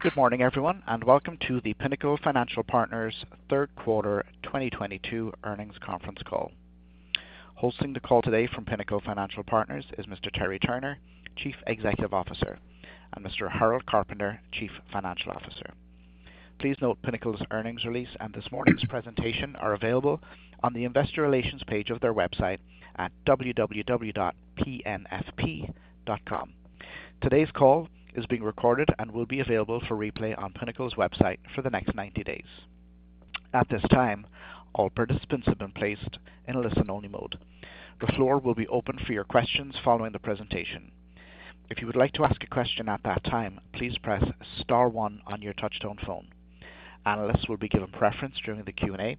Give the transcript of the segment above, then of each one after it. Good morning, everyone, and welcome to the Pinnacle Financial Partners third quarter 2022 earnings conference call. Hosting the call today from Pinnacle Financial Partners is Mr. Terry Turner, Chief Executive Officer, and Mr. Harold Carpenter, Chief Financial Officer. Please note Pinnacle's earnings release and this morning's presentation are available on the investor relations page of their website at www.pnfp.com. Today's call is being recorded and will be available for replay on Pinnacle's website for the next 90 days. At this time, all participants have been placed in a listen-only mode. The floor will be open for your questions following the presentation. If you would like to ask a question at that time, please press star one on your touchtone phone. Analysts will be given preference during the Q&A,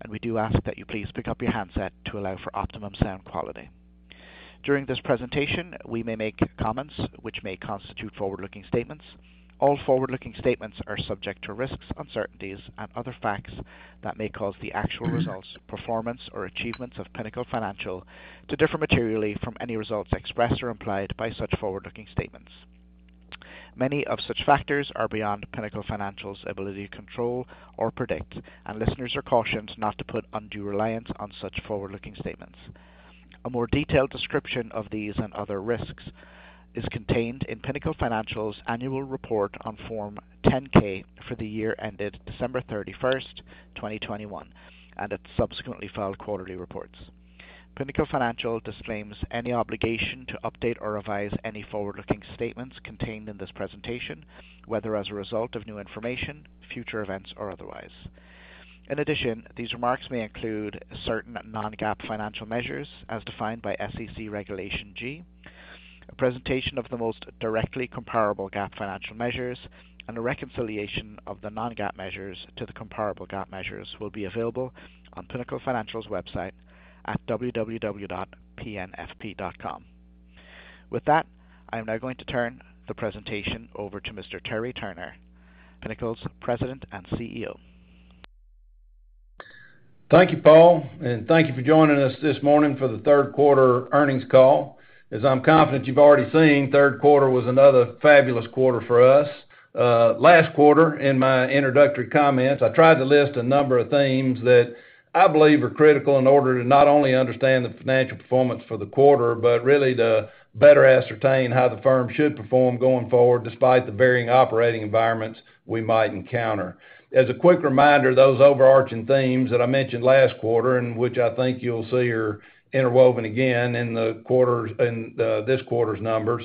and we do ask that you please pick up your handset to allow for optimum sound quality. During this presentation, we may make comments which may constitute forward-looking statements. All forward-looking statements are subject to risks, uncertainties, and other facts that may cause the actual results, performance, or achievements of Pinnacle Financial Partners to differ materially from any results expressed or implied by such forward-looking statements. Many of such factors are beyond Pinnacle Financial Partners's ability to control or predict, and listeners are cautioned not to put undue reliance on such forward-looking statements. A more detailed description of these and other risks is contained in Pinnacle Financial Partners's annual report on Form 10-K for the year ended December 31st, 2021, and its subsequently filed quarterly reports. Pinnacle Financial Partners disclaims any obligation to update or revise any forward-looking statements contained in this presentation, whether as a result of new information, future events, or otherwise. In addition, these remarks may include certain non-GAAP financial measures as defined by SEC Regulation G. A presentation of the most directly comparable GAAP financial measures and a reconciliation of the non-GAAP measures to the comparable GAAP measures will be available on Pinnacle Financial's website at www.pnfp.com. With that, I am now going to turn the presentation over to Mr. Terry Turner, Pinnacle's President and CEO. Thank you, Paul, and thank you for joining us this morning for the third quarter earnings call. As I'm confident you've already seen, third quarter was another fabulous quarter for us. Last quarter, in my introductory comments, I tried to list a number of themes that I believe are critical in order to not only understand the financial performance for the quarter, but really to better ascertain how the firm should perform going forward despite the varying operating environments we might encounter. As a quick reminder, those overarching themes that I mentioned last quarter, and which I think you'll see are interwoven again in this quarter's numbers.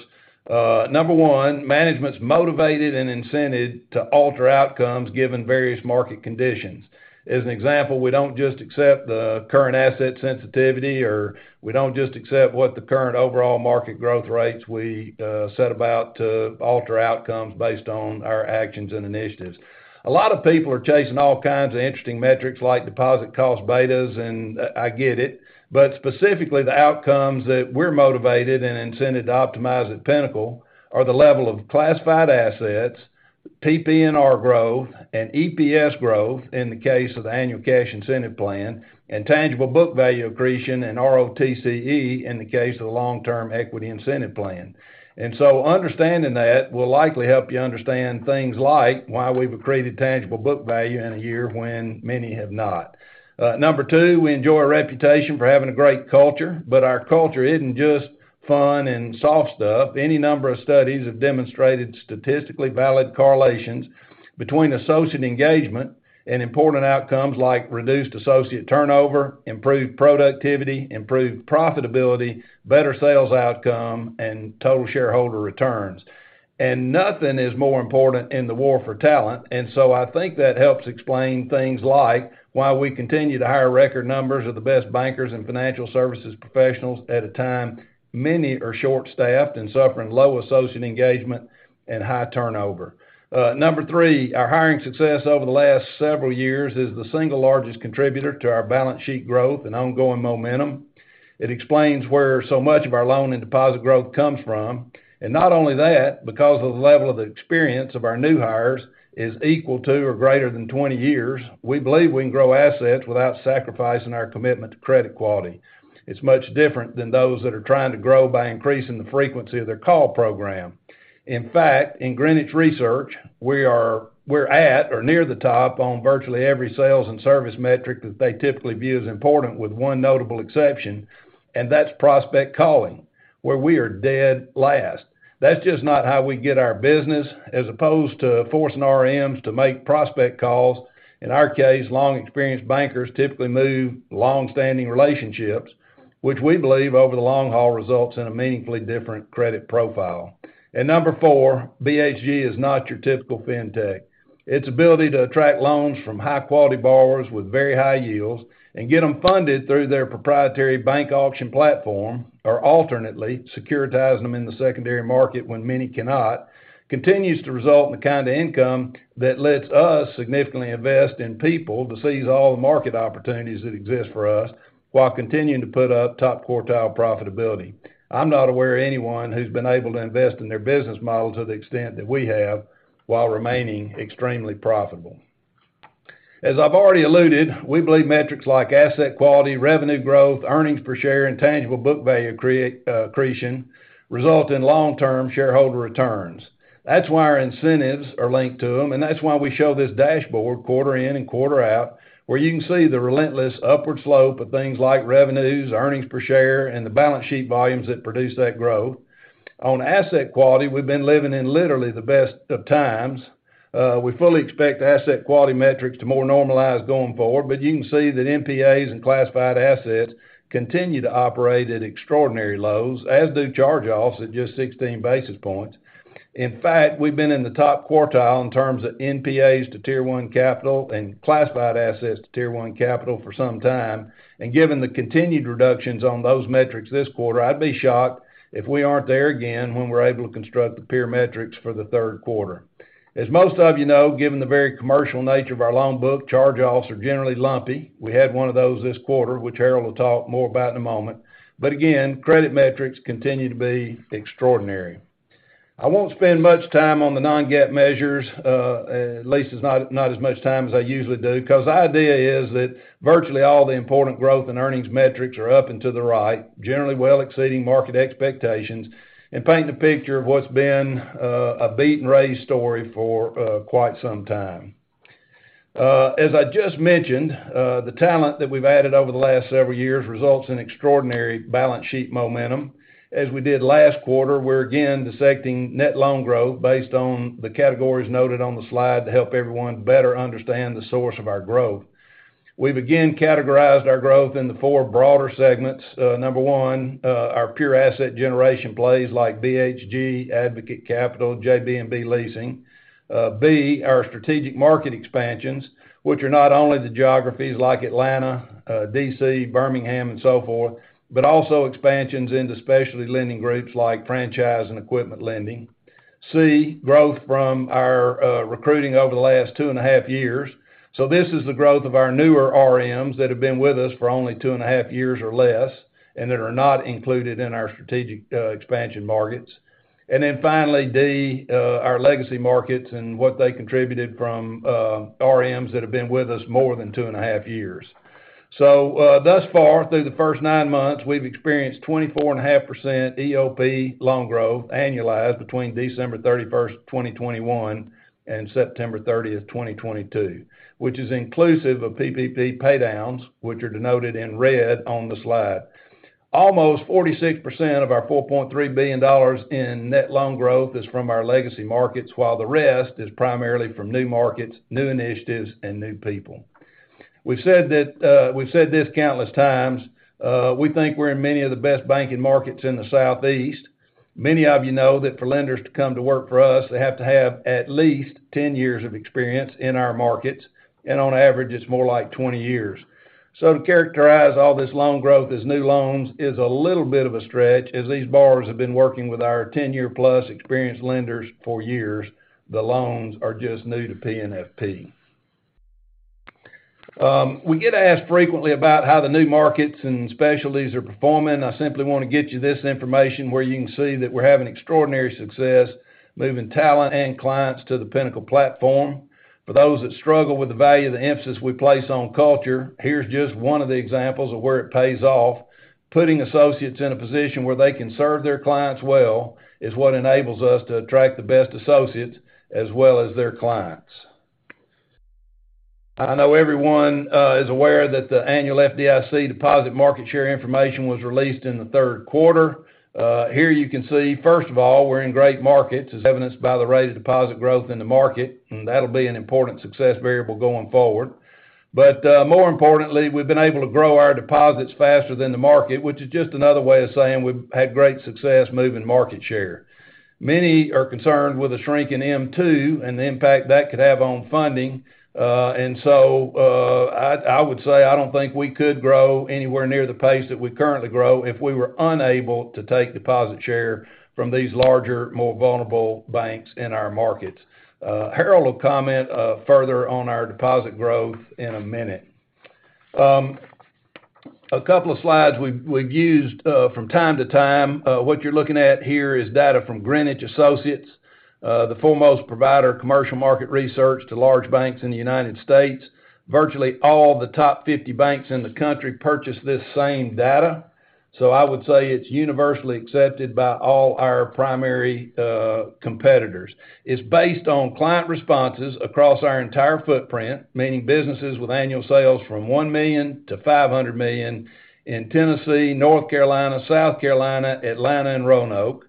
Number one, management's motivated and incented to alter outcomes given various market conditions. As an example, we don't just accept the current asset sensitivity, or we don't just accept what the current overall market growth rates. We set about to alter outcomes based on our actions and initiatives. A lot of people are chasing all kinds of interesting metrics like deposit cost betas, and I get it, but specifically, the outcomes that we're motivated and incented to optimize at Pinnacle are the level of classified assets, PPNR growth, and EPS growth in the case of the annual cash incentive plan, and tangible book value accretion and ROTCE in the case of the long-term equity incentive plan. Understanding that will likely help you understand things like why we've accreted tangible book value in a year when many have not. Number two, we enjoy a reputation for having a great culture, but our culture isn't just fun and soft stuff. Any number of studies have demonstrated statistically valid correlations between associate engagement and important outcomes like reduced associate turnover, improved productivity, improved profitability, better sales outcome, and total shareholder returns. Nothing is more important in the war for talent, and so I think that helps explain things like why we continue to hire record numbers of the best bankers and financial services professionals at a time many are short-staffed and suffering low associate engagement and high turnover. Number three, our hiring success over the last several years is the single largest contributor to our balance sheet growth and ongoing momentum. It explains where so much of our loan and deposit growth comes from. Not only that, because of the level of the experience of our new hires is equal to or greater than 20 years, we believe we can grow assets without sacrificing our commitment to credit quality. It's much different than those that are trying to grow by increasing the frequency of their call program. In fact, in Greenwich research, we're at or near the top on virtually every sales and service metric that they typically view as important, with one notable exception, and that's prospect calling, where we are dead last. That's just not how we get our business as opposed to forcing RMs to make prospect calls. In our case, long-experienced bankers typically move long-standing relationships, which we believe over the long haul results in a meaningfully different credit profile. Number four, BHG is not your typical fintech. Its ability to attract loans from high-quality borrowers with very high yields and get them funded through their proprietary bank auction platform, or alternately, securitizing them in the secondary market when many cannot, continues to result in the kind of income that lets us significantly invest in people to seize all the market opportunities that exist for us while continuing to put up top quartile profitability. I'm not aware of anyone who's been able to invest in their business model to the extent that we have while remaining extremely profitable. As I've already alluded, we believe metrics like asset quality, revenue growth, earnings per share, and tangible book value create, accretion result in long-term shareholder returns. That's why our incentives are linked to them, and that's why we show this dashboard quarter in and quarter out, where you can see the relentless upward slope of things like revenues, earnings per share, and the balance sheet volumes that produce that growth. On asset quality, we've been living in literally the best of times. We fully expect asset quality metrics to more normalize going forward, but you can see that NPAs and classified assets continue to operate at extraordinary lows, as do charge-offs at just 16 basis points. In fact, we've been in the top quartile in terms of NPAs to Tier 1 capital and classified assets to Tier 1 capital for some time. Given the continued reductions on those metrics this quarter, I'd be shocked if we aren't there again when we're able to construct the peer metrics for the third quarter. As most of you know, given the very commercial nature of our loan book, charge-offs are generally lumpy. We had one of those this quarter, which Harold will talk more about in a moment. Again, credit metrics continue to be extraordinary. I won't spend much time on the non-GAAP measures, at least not as much time as I usually do, 'cause the idea is that virtually all the important growth and earnings metrics are up and to the right, generally well exceeding market expectations and painting a picture of what's been a beat and raise story for quite some time. As I just mentioned, the talent that we've added over the last several years results in extraordinary balance sheet momentum. As we did last quarter, we're again dissecting net loan growth based on the categories noted on the slide to help everyone better understand the source of our growth. We've again categorized our growth into four broader segments. Number one, our pure asset generation plays like BHG, Advocate Capital, JB&B Capital. B, our strategic market expansions, which are not only the geographies like Atlanta, D.C., Birmingham, and so forth, but also expansions into specialty lending groups like franchise and equipment lending. C, growth from our recruiting over the last two and a half years. This is the growth of our newer RMs that have been with us for only two and a half years or less and that are not included in our strategic expansion markets. Finally, D, our legacy markets and what they contributed from RMs that have been with us more than 2.5 years. Thus far, through the first nine months, we've experienced 24.5% EOP loan growth annualized between December 31st, 2021 and September 30th, 2022, which is inclusive of PPP paydowns, which are denoted in red on the slide. Almost 46% of our $4.3 billion in net loan growth is from our legacy markets, while the rest is primarily from new markets, new initiatives, and new people. We've said that, we've said this countless times, we think we're in many of the best banking markets in the Southeast. Many of you know that for lenders to come to work for us, they have to have at least 10 years of experience in our markets, and on average, it's more like 20 years. To characterize all this loan growth as new loans is a little bit of a stretch, as these borrowers have been working with our 10-year-plus experienced lenders for years. The loans are just new to PNFP. We get asked frequently about how the new markets and specialties are performing. I simply want to get you this information where you can see that we're having extraordinary success moving talent and clients to the Pinnacle platform. For those that struggle with the value of the emphasis we place on culture, here's just one of the examples of where it pays off. Putting associates in a position where they can serve their clients well is what enables us to attract the best associates as well as their clients. I know everyone is aware that the annual FDIC deposit market share information was released in the third quarter. Here you can see, first of all, we're in great markets, as evidenced by the rate of deposit growth in the market, and that'll be an important success variable going forward. More importantly, we've been able to grow our deposits faster than the market, which is just another way of saying we've had great success moving market share. Many are concerned with the shrinking M2 and the impact that could have on funding, and so, I would say I don't think we could grow anywhere near the pace that we currently grow if we were unable to take deposit share from these larger, more vulnerable banks in our markets. Harold will comment further on our deposit growth in a minute. A couple of slides we've used from time to time. What you're looking at here is data from Greenwich Associates, the foremost provider of commercial market research to large banks in the United States. Virtually all the top 50 banks in the country purchase this same data, so I would say it's universally accepted by all our primary competitors. It's based on client responses across our entire footprint, meaning businesses with annual sales from $1 million-$500 million in Tennessee, North Carolina, South Carolina, Atlanta, and Roanoke.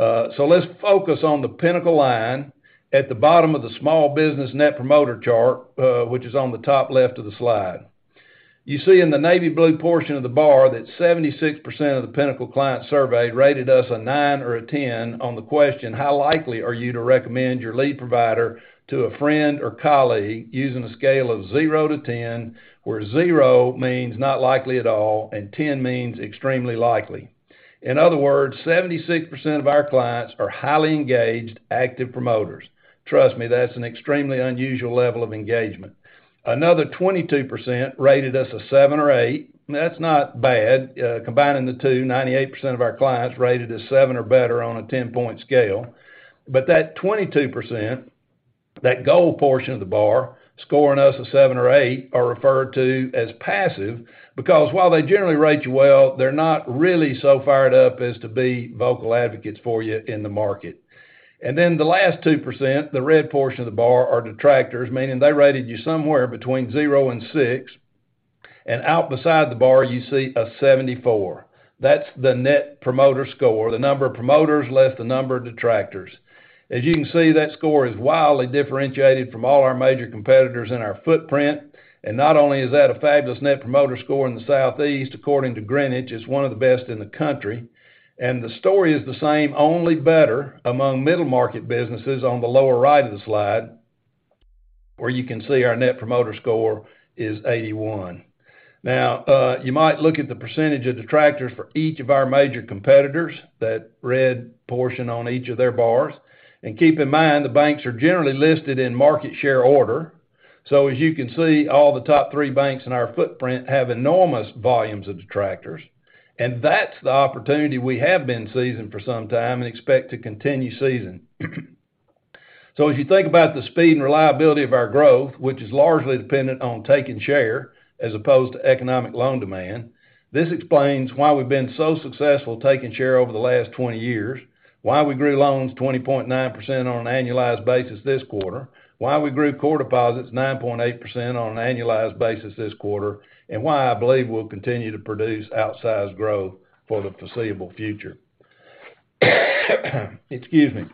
Let's focus on the Pinnacle line at the bottom of the small business Net Promoter chart, which is on the top left of the slide. You see in the navy blue portion of the bar that 76% of the Pinnacle clients surveyed rated us a nine or a 10 on the question, how likely are you to recommend your lead provider to a friend or colleague using a scale of zero to 10, where zero means not likely at all and 10 means extremely likely? In other words, 76% of our clients are highly engaged, active promoters. Trust me, that's an extremely unusual level of engagement. Another 22% rated us a seven or eight. That's not bad. Combining the two, 98% of our clients rated a seven or better on a 10-point scale. That 22%, that gold portion of the bar, scoring us a seven or eight, are referred to as passive because while they generally rate you well, they're not really so fired up as to be vocal advocates for you in the market. Then the last 2%, the red portion of the bar, are detractors, meaning they rated you somewhere between zero and six. Out beside the bar, you see a 74. That's the Net Promoter Score, the number of promoters less the number of detractors. As you can see, that score is wildly differentiated from all our major competitors in our footprint. Not only is that a fabulous Net Promoter Score in the Southeast, according to Greenwich, it's one of the best in the country. The story is the same, only better, among middle-market businesses on the lower right of the slide, where you can see our Net Promoter Score is 81. Now, you might look at the percentage of detractors for each of our major competitors, that red portion on each of their bars. Keep in mind, the banks are generally listed in market share order. As you can see, all the top three banks in our footprint have enormous volumes of detractors. That's the opportunity we have been seizing for some time and expect to continue seizing. If you think about the speed and reliability of our growth, which is largely dependent on taking share as opposed to economic loan demand, this explains why we've been so successful taking share over the last 20 years, why we grew loans 20.9% on an annualized basis this quarter, why we grew core deposits 9.8% on an annualized basis this quarter, and why I believe we'll continue to produce outsized growth for the foreseeable future. Excuse me.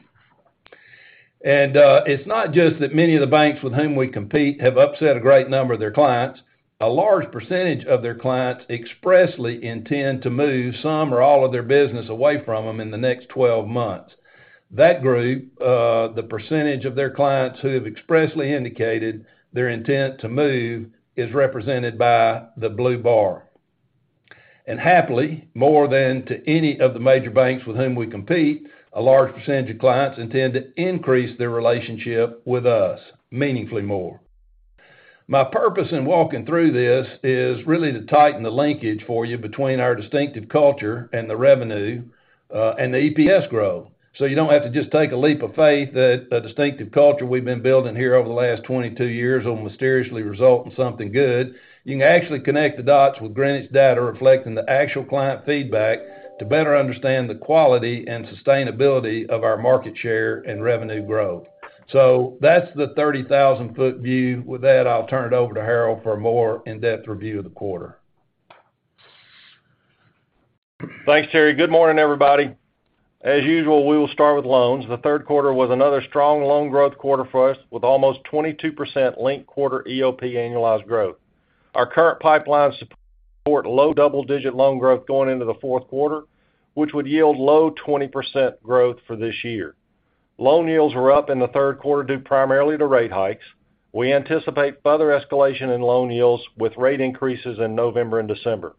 It's not just that many of the banks with whom we compete have upset a great number of their clients. A large percentage of their clients expressly intend to move some or all of their business away from them in the next 12 months. That group, the percentage of their clients who have expressly indicated their intent to move, is represented by the blue bar. Happily, more than to any of the major banks with whom we compete, a large percentage of clients intend to increase their relationship with us meaningfully more. My purpose in walking through this is really to tighten the linkage for you between our distinctive culture and the revenue, and the EPS growth, so you don't have to just take a leap of faith that the distinctive culture we've been building here over the last 22 years will mysteriously result in something good. You can actually connect the dots with Greenwich data reflecting the actual client feedback to better understand the quality and sustainability of our market share and revenue growth. That's the 30,000-foot view. With that, I'll turn it over to Harold for a more in-depth review of the quarter. Thanks, Terry. Good morning, everybody. As usual, we will start with loans. The third quarter was another strong loan growth quarter for us with almost 22% linked quarter EOP annualized growth. Our current pipelines support low double-digit loan growth going into the fourth quarter, which would yield low 20% growth for this year. Loan yields were up in the third quarter due primarily to rate hikes. We anticipate further escalation in loan yields with rate increases in November and December.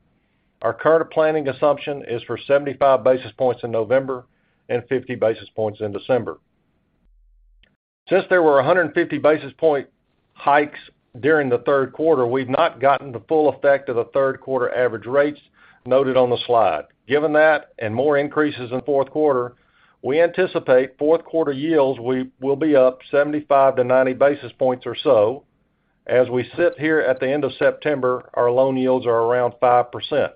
Our current planning assumption is for 75 basis points in November and 50 basis points in December. Since there were 150 basis point hikes during the third quarter, we've not gotten the full effect of the third quarter average rates noted on the slide. Given that, and more increases in fourth quarter, we anticipate fourth quarter yields will be up 75-90 basis points or so. As we sit here at the end of September, our loan yields are around 5%.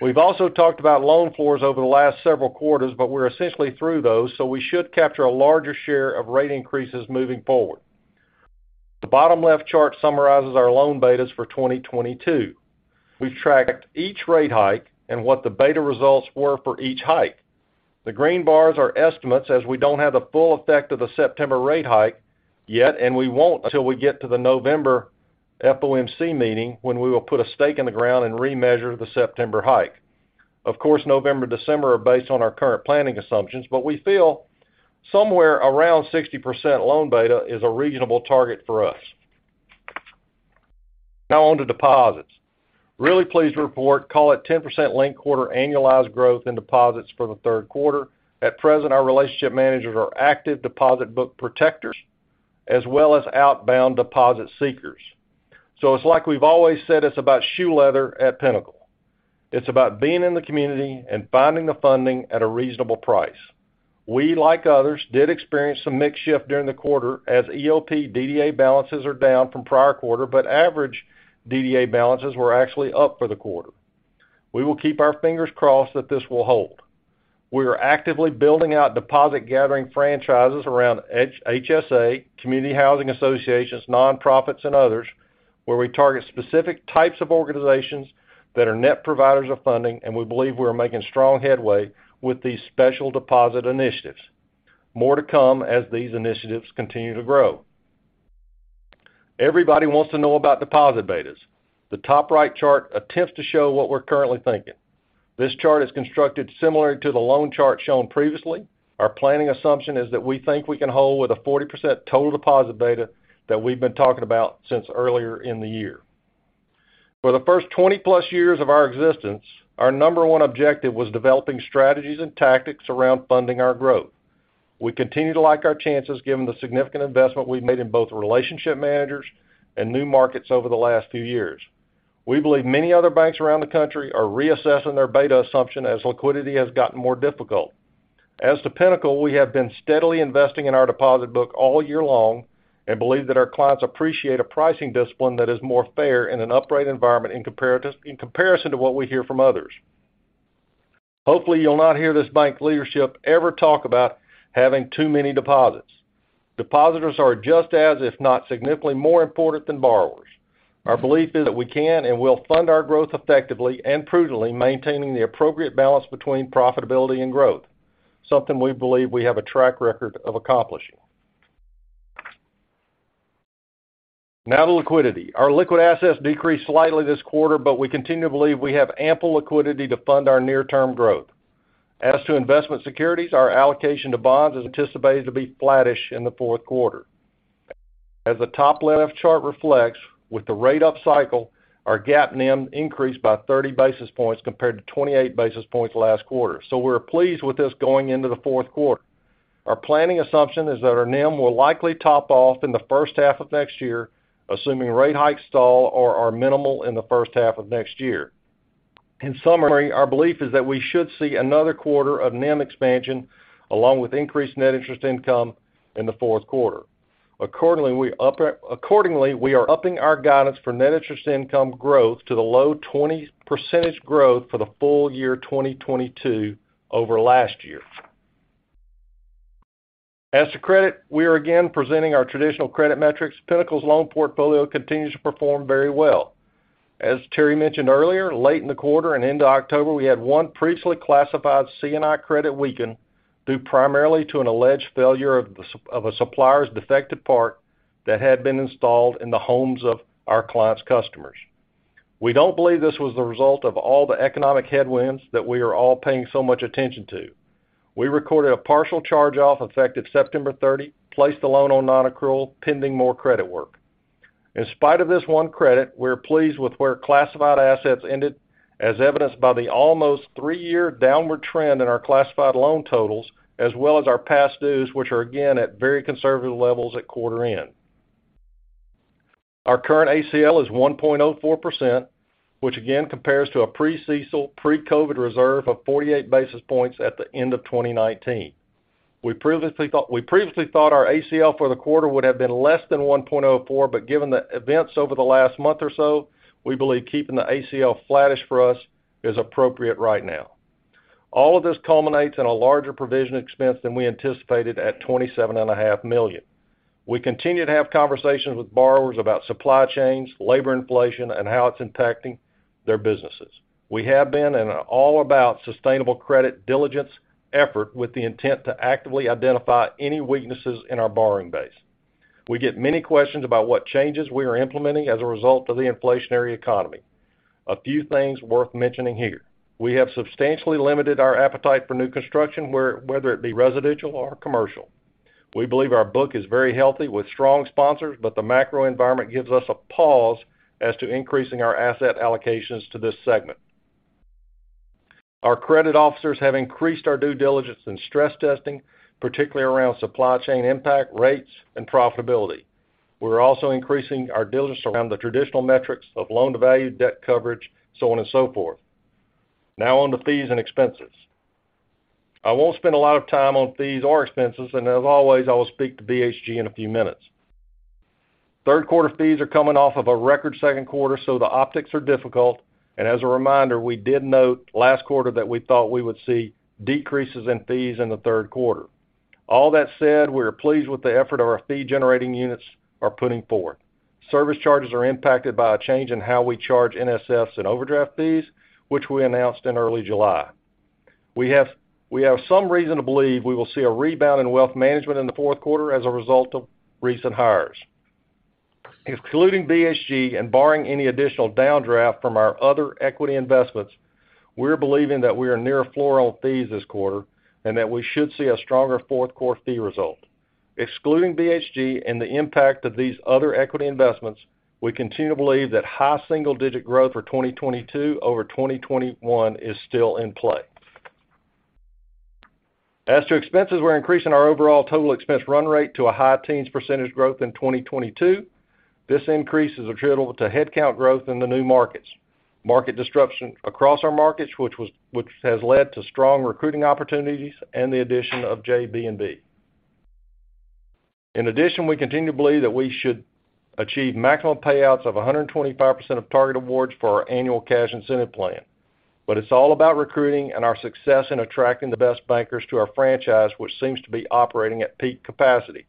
We've also talked about loan floors over the last several quarters, but we're essentially through those, so we should capture a larger share of rate increases moving forward. The bottom left chart summarizes our loan betas for 2022. We've tracked each rate hike and what the beta results were for each hike. The green bars are estimates as we don't have the full effect of the September rate hike yet, and we won't until we get to the November FOMC meeting when we will put a stake in the ground and remeasure the September hike. Of course, November and December are based on our current planning assumptions, but we feel somewhere around 60% loan beta is a reasonable target for us. Now on to deposits. Really pleased to report, call it 10% linked quarter annualized growth in deposits for the third quarter. At present, our relationship managers are active deposit book protectors as well as outbound deposit seekers. It's like we've always said, it's about shoe leather at Pinnacle. It's about being in the community and finding the funding at a reasonable price. We, like others, did experience some mix shift during the quarter as EOP DDA balances are down from prior quarter, but average DDA balances were actually up for the quarter. We will keep our fingers crossed that this will hold. We are actively building out deposit gathering franchises around HSA, community homeowners associations, nonprofits, and others, where we target specific types of organizations that are net providers of funding, and we believe we are making strong headway with these special deposit initiatives. More to come as these initiatives continue to grow. Everybody wants to know about deposit betas. The top right chart attempts to show what we're currently thinking. This chart is constructed similar to the loan chart shown previously. Our planning assumption is that we think we can hold with a 40% total deposit beta that we've been talking about since earlier in the year. For the first 20+ years of our existence, our number one objective was developing strategies and tactics around funding our growth. We continue to like our chances given the significant investment we've made in both relationship managers and new markets over the last few years. We believe many other banks around the country are reassessing their beta assumption as liquidity has gotten more difficult. As to Pinnacle, we have been steadily investing in our deposit book all year long and believe that our clients appreciate a pricing discipline that is more fair in an upright environment in comparison to what we hear from others. Hopefully, you'll not hear this bank leadership ever talk about having too many deposits. Depositors are just as, if not significantly more important than borrowers. Our belief is that we can and will fund our growth effectively and prudently, maintaining the appropriate balance between profitability and growth, something we believe we have a track record of accomplishing. Now to liquidity. Our liquid assets decreased slightly this quarter, but we continue to believe we have ample liquidity to fund our near-term growth. As to investment securities, our allocation to bonds is anticipated to be flattish in the fourth quarter. As the top left chart reflects, with the rate up cycle, our GAAP NIM increased by 30 basis points compared to 28 basis points last quarter. We're pleased with this going into the fourth quarter. Our planning assumption is that our NIM will likely top off in the first half of next year, assuming rate hikes stall or are minimal in the first half of next year. In summary, our belief is that we should see another quarter of NIM expansion, along with increased net interest income in the fourth quarter. Accordingly, we are upping our guidance for net interest income growth to low 20% growth for the full year 2022 over last year. As to credit, we are again presenting our traditional credit metrics. Pinnacle's loan portfolio continues to perform very well. As Terry mentioned earlier, late in the quarter and into October, we had one previously classified C&I credit weaken due primarily to an alleged failure of a supplier's defective part that had been installed in the homes of our client's customers. We don't believe this was the result of all the economic headwinds that we are all paying so much attention to. We recorded a partial charge-off effective September 30, placed the loan on nonaccrual, pending more credit work. In spite of this one credit, we're pleased with where classified assets ended, as evidenced by the almost -year downward trend in our classified loan totals, as well as our past dues, which are again at very conservative levels at quarter end. Our current ACL is 1.04%, which again compares to a pre-CECL, pre-COVID reserve of 48 basis points at the end of 2019. We previously thought our ACL for the quarter would have been less than 1.04, but given the events over the last month or so, we believe keeping the ACL flattish for us is appropriate right now. All of this culminates in a larger provision expense than we anticipated at $27.5 million. We continue to have conversations with borrowers about supply chains, labor inflation, and how it's impacting their businesses. We have been and are all about sustainable credit diligence effort with the intent to actively identify any weaknesses in our borrowing base. We get many questions about what changes we are implementing as a result of the inflationary economy. A few things worth mentioning here. We have substantially limited our appetite for new construction, whether it be residential or commercial. We believe our book is very healthy with strong sponsors, but the macro environment gives us a pause as to increasing our asset allocations to this segment. Our credit officers have increased our due diligence in stress testing, particularly around supply chain impact, rates, and profitability. We're also increasing our diligence around the traditional metrics of loan-to-value, debt coverage, so on and so forth. Now on to fees and expenses. I won't spend a lot of time on fees or expenses, and as always, I will speak to BHG in a few minutes. Third quarter fees are coming off of a record second quarter, so the optics are difficult. As a reminder, we did note last quarter that we thought we would see decreases in fees in the third quarter. All that said, we are pleased with the effort our fee-generating units are putting forward. Service charges are impacted by a change in how we charge NSFs and overdraft fees, which we announced in early July. We have some reason to believe we will see a rebound in wealth management in the fourth quarter as a result of recent hires. Excluding BHG and barring any additional downdraft from our other equity investments, we're believing that we are near floor on fees this quarter and that we should see a stronger fourth quarter fee result. Excluding BHG and the impact of these other equity investments, we continue to believe that high single-digit growth for 2022 over 2021 is still in play. As to expenses, we're increasing our overall total expense run rate to a high teens percent growth in 2022. This increase is attributable to headcount growth in the new markets, market disruption across our markets which has led to strong recruiting opportunities, and the addition of JB&B. In addition, we continue to believe that we should achieve maximum payouts of 125% of target awards for our annual cash incentive plan. It's all about recruiting and our success in attracting the best bankers to our franchise, which seems to be operating at peak capacity.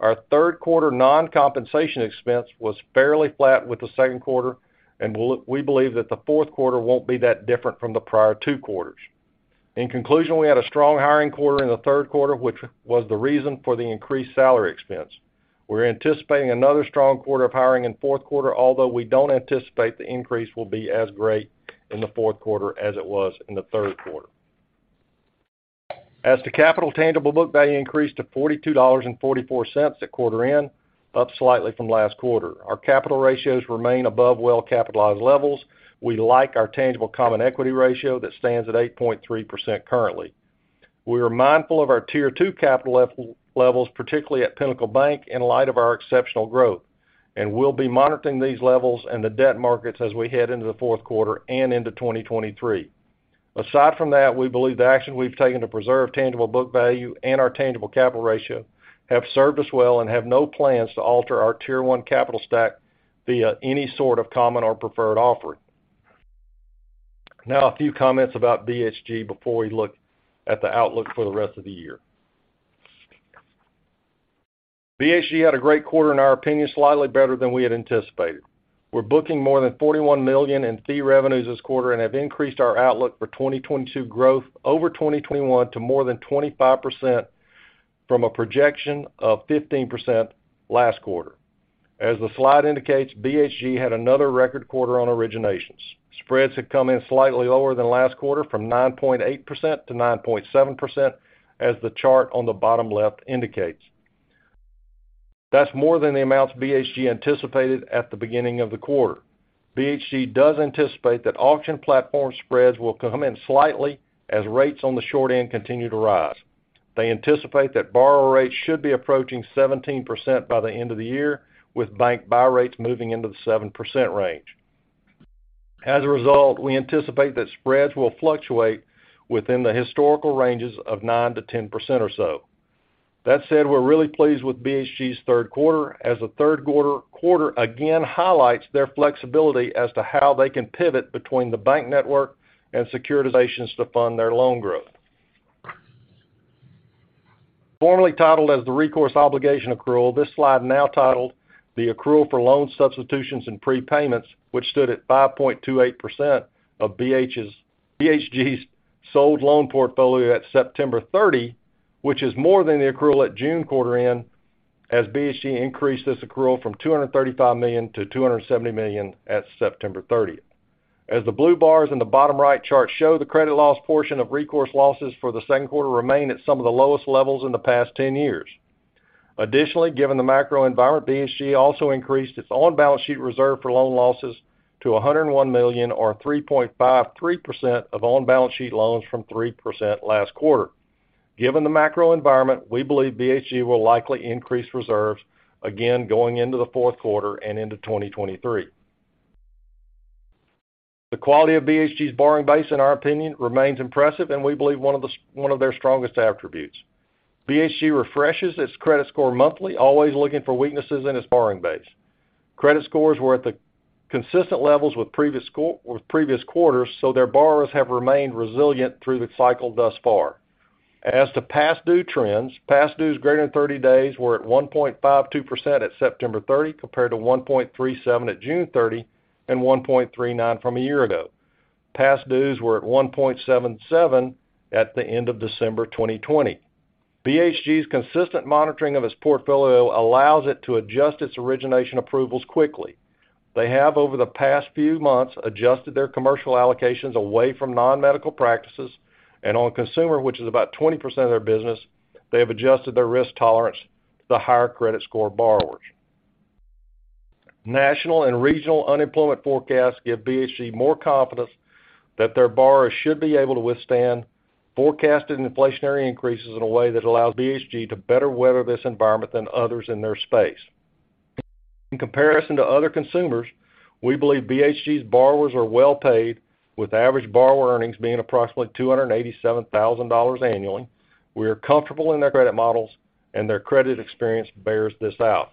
Our third quarter non-compensation expense was fairly flat with the second quarter, and we believe that the fourth quarter won't be that different from the prior two quarters. In conclusion, we had a strong hiring quarter in the third quarter, which was the reason for the increased salary expense. We're anticipating another strong quarter of hiring in fourth quarter, although we don't anticipate the increase will be as great in the fourth quarter as it was in the third quarter. As to capital tangible book value increased to $42.44 at quarter end, up slightly from last quarter. Our capital ratios remain above well-capitalized levels. We like our tangible common equity ratio that stands at 8.3% currently. We are mindful of our Tier 2 capital levels, particularly at Pinnacle Bank, in light of our exceptional growth, and we'll be monitoring these levels and the debt markets as we head into the fourth quarter and into 2023. Aside from that, we believe the action we've taken to preserve tangible book value and our tangible capital ratio have served us well and have no plans to alter our Tier 1 capital stack via any sort of common or preferred offering. Now, a few comments about BHG before we look at the outlook for the rest of the year. BHG had a great quarter, in our opinion, slightly better than we had anticipated. We're booking more than $41 million in fee revenues this quarter and have increased our outlook for 2022 growth over 2021 to more than 25% from a projection of 15% last quarter. As the slide indicates, BHG had another record quarter on originations. Spreads had come in slightly lower than last quarter, from 9.8% to 9.7%, as the chart on the bottom left indicates. That's more than the amounts BHG anticipated at the beginning of the quarter. BHG does anticipate that auction platform spreads will come in slightly as rates on the short end continue to rise. They anticipate that borrower rates should be approaching 17% by the end of the year, with bank buy rates moving into the 7% range. As a result, we anticipate that spreads will fluctuate within the historical ranges of 9%-10% or so. That said, we're really pleased with BHG's third quarter, as the third quarter again highlights their flexibility as to how they can pivot between the bank network and securitizations to fund their loan growth. Formerly titled as the Recourse Obligation Accrual, this slide now titled The Accrual for Loan Substitutions and Prepayments, which stood at 5.28% of BHG's sold loan portfolio at September 30, which is more than the accrual at June quarter end, as BHG increased this accrual from $235 million to $270 million at September 30. As the blue bars in the bottom right chart show, the credit loss portion of recourse losses for the second quarter remain at some of the lowest levels in the past 10 years. Additionally, given the macro environment, BHG also increased its on-balance sheet reserve for loan losses to $101 million or 3.53% of on-balance sheet loans from 3% last quarter. Given the macro environment, we believe BHG wil likely increase reserves again going into the fourth quarter and into 2023. The quality of BHG's borrowing base, in our opinion, remains impressive, and we believe one of their strongest attributes. BHG refreshes its credit score monthly, always looking for weaknesses in its borrowing base. Credit scores were at the consistent levels with previous quarters, so their borrowers have remained resilient through the cycle thus far. As to past due trends, past dues greater than 30 days were at 1.52% at September 30 compared to 1.37 at June 30 and 1.39 from a year ago. Past dues were at 1.77 at the end of December 2020. BHG's consistent monitoring of its portfolio allows it to adjust its origination approvals quickly. They have, over the past few months, adjusted their commercial allocations away from non-medical practices and on consumer, which is about 20% of their business, they have adjusted their risk tolerance to the higher credit score borrowers. National and regional unemployment forecasts give BHG more confidence that their borrowers should be able to withstand forecasted inflationary increases in a way that allows BHG to better weather this environment than others in their space. In comparison to other consumers, we believe BHG's borrowers are well-paid, with average borrower earnings being approximately $287,000 annually. We are comfortable in their credit models, and their credit experience bears this out.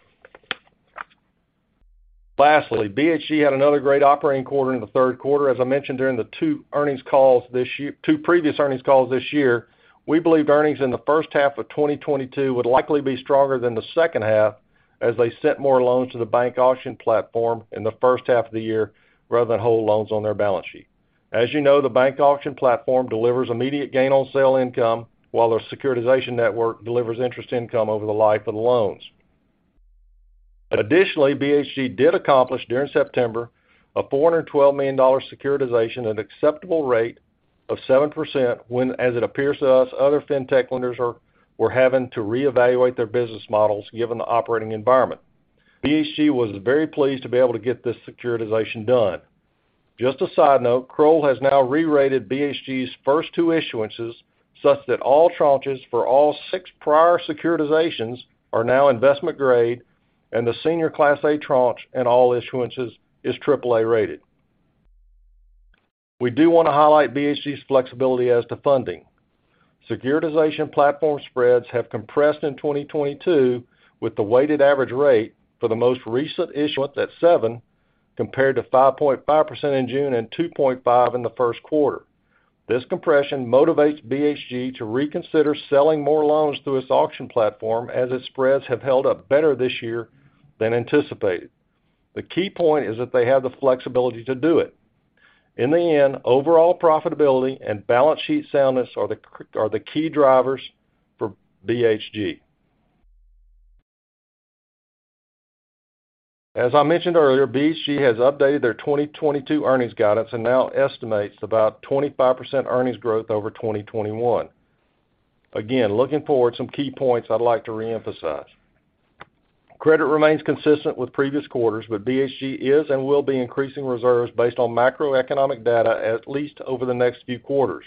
Lastly, BHG had another great operating quarter in the third quarter. As I mentioned during two previous earnings calls this year, we believe earnings in the first half of 2022 would likely be stronger than the second half as they sent more loans to the bank auction platform in the first half of the year rather than hold loans on their balance sheet. As you know, the bank auction platform delivers immediate gain on sale income, while their securitization network delivers interest income over the life of the loans. BHG did accomplish during September a $412 million securitization at an acceptable rate of 7%, when, as it appears to us, other fintech lenders were having to reevaluate their business models given the operating environment. BHG was very pleased to be able to get this securitization done. Just a side note, Kroll has now rerated BHG's first two issuances such that all tranches for all six prior securitizations are now investment grade and the senior Class A tranche in all issuances is triple-A rated. We do want to highlight BHG's flexibility as to funding. Securitization platform spreads have compressed in 2022 with the weighted average rate for the most recent issuance at 7%, compared to 5.5% in June and 2.5% in the first quarter. This compression motivates BHG to reconsider selling more loans through its auction platform as its spreads have held up better this year than anticipated. The key point is that they have the flexibility to do it. In the end, overall profitability and balance sheet soundness are the key drivers for BHG. As I mentioned earlier, BHG has updated their 2022 earnings guidance and now estimates about 25% earnings growth over 2021. Again, looking forward, some key points I'd like to reemphasize. Credit remains consistent with previous quarters, but BHG is and will be increasing reserves based on macroeconomic data at least over the next few quarters.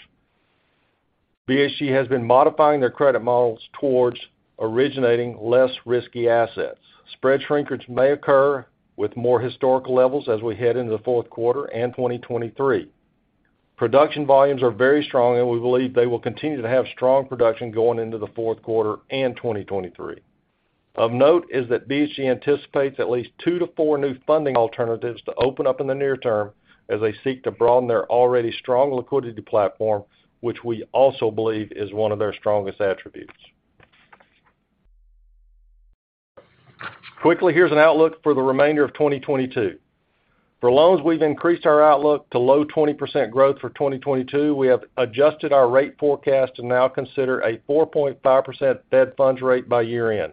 BHG has been modifying their credit models towards originating less risky assets. Spread shrinkage may occur with more historical levels as we head into the fourth quarter and 2023. Production volumes are very strong, and we believe they will continue to have strong production going into the fourth quarter and 2023. Of note is that BHG anticipates at least two-four new funding alternatives to open up in the near term as they seek to broaden their already strong liquidity platform, which we also believe is one of their strongest attributes. Quickly, here's an outlook for the remainder of 2022. For loans, we've increased our outlook to low 20% growth for 2022. We have adjusted our rate forecast to now consider a 4.5% Fed funds rate by year-end.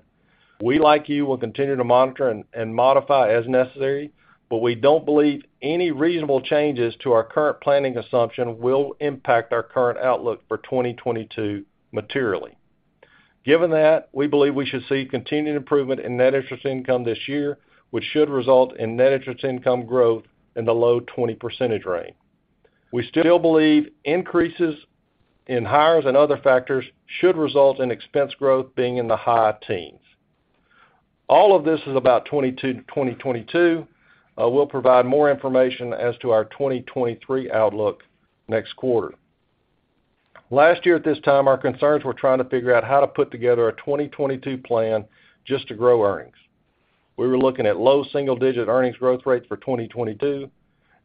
We, like you, will continue to monitor and modify as necessary, but we don't believe any reasonable changes to our current planning assumption will impact our current outlook for 2022 materially. Given that, we believe we should see continued improvement in net interest income this year, which should result in net interest income growth in the low 20% range. We still believe increases in hires and other factors should result in expense growth being in the high teens. All of this is about 2022. We'll provide more information as to our 2023 outlook next quarter. Last year at this time, our concerns were trying to figure out how to put together a 2022 plan just to grow earnings. We were looking at low single-digit earnings growth rates for 2022,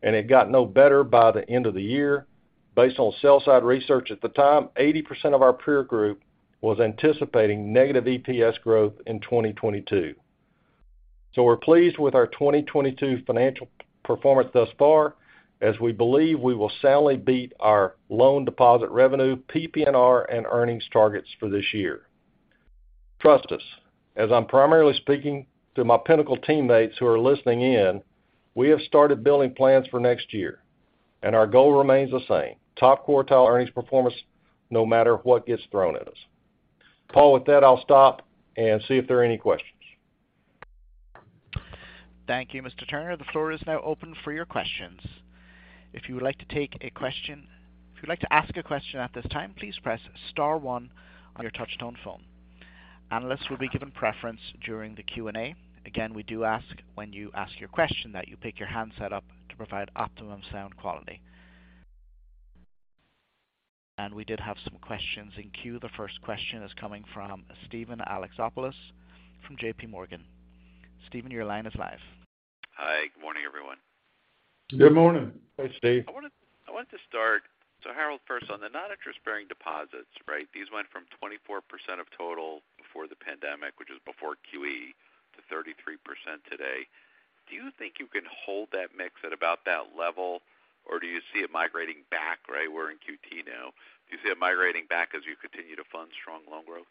and it got no better by the end of the year. Based on sell side research at the time, 80% of our peer group was anticipating negative EPS growth in 2022. We're pleased with our 2022 financial performance thus far, as we believe we will soundly beat our loan deposit revenue, PPNR, and earnings targets for this year. Trust us, as I'm primarily speaking to my Pinnacle teammates who are listening in, we have started building plans for next year, and our goal remains the same, top quartile earnings performance, no matter what gets thrown at us. Paul, with that, I'll stop and see if there are any questions. Thank you, Mr. Turner. The floor is now open for your questions. If you'd like to ask a question at this time, please press star one on your touch tone phone. Analysts will be given preference during the Q&A. Again, we do ask when you ask your question that you pick your handset up to provide optimum sound quality. We did have some questions in queue. The first question is coming from Steven Alexopoulos from JPMorgan. Steven, your line is live. Hi, good morning, everyone. Good morning. Hi, Steven. I wanted to start, Harold, first on the non-interest-bearing deposits, right? These went from 24% of total before the pandemic, which is before QE, to 33% today. Do you think you can hold that mix at about that level, or do you see it migrating back? Right, we're in QT now. Do you see it migrating back as you continue to fund strong loan growth?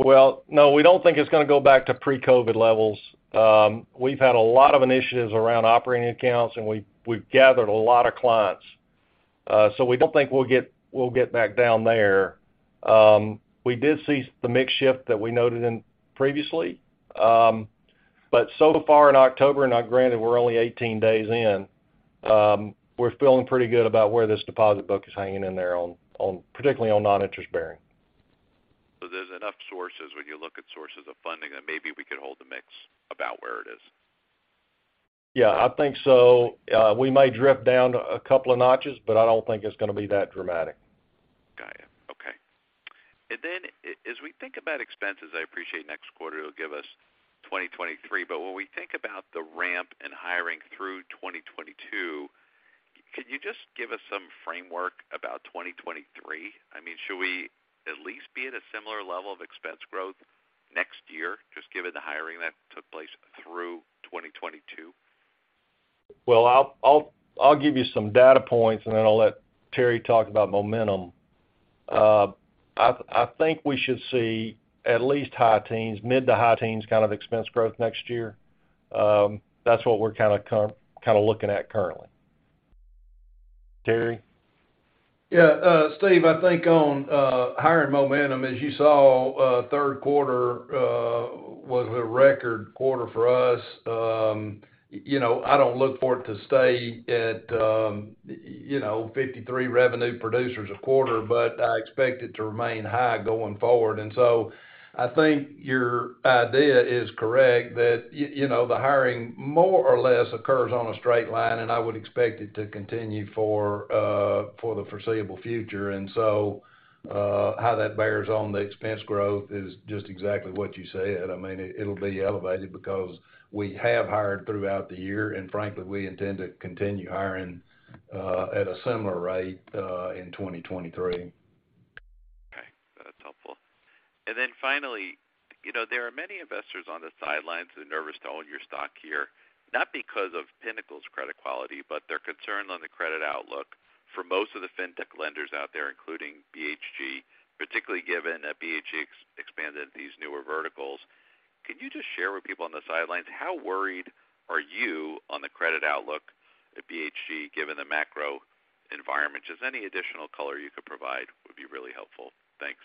Well, no, we don't think it's going to go back to pre-COVID levels. We've had a lot of initiatives around operating accounts, and we've gathered a lot of clients. We don't think we'll get back down there. We did see the mix shift that we noted previously. So far in October, now granted, we're only 18 days in, we're feeling pretty good about where this deposit book is hanging in there on particularly on non-interest bearing. There's enough sources when you look at sources of funding that maybe we could hold the mix about where it is. Yeah, I think so. We may drift down a couple of notches, but I don't think it's going to be that dramatic. Got you. Okay. As we think about expenses, I appreciate next quarter it'll give us 2023, but when we think about the ramp in hiring through 2022, can you just give us some framework about 2023? I mean, should we at least be at a similar level of expense growth next year, just given the hiring that took place through 2022? Well, I'll give you some data points, and then I'll let Terry talk about momentum. I think we should see at least high-teens, mid- to high-teens kind of expense growth next year. That's what we're kind of looking at currently. Terry? Yeah, Steven, I think on hiring momentum, as you saw, third quarter was a record quarter for us. You know, I don't look for it to stay at you know, 53 revenue producers a quarter, but I expect it to remain high going forward. I think your idea is correct that you know, the hiring more or less occurs on a straight line, and I would expect it to continue for the foreseeable future. How that bears on the expense growth is just exactly what you said. I mean, it'll be elevated because we have hired throughout the year, and frankly, we intend to continue hiring at a similar rate in 2023. Okay, that's helpful. Finally, you know, there are many investors on the sidelines that are nervous to own your stock here, not because of Pinnacle's credit quality, but they're concerned on the credit outlook for most of the fintech lenders out there, including BHG, particularly given that BHG expanded these newer verticals. Can you just share with people on the sidelines, how worried are you on the credit outlook at BHG given the macro environment? Environment. Just any additional color you could provide would be really helpful. Thanks.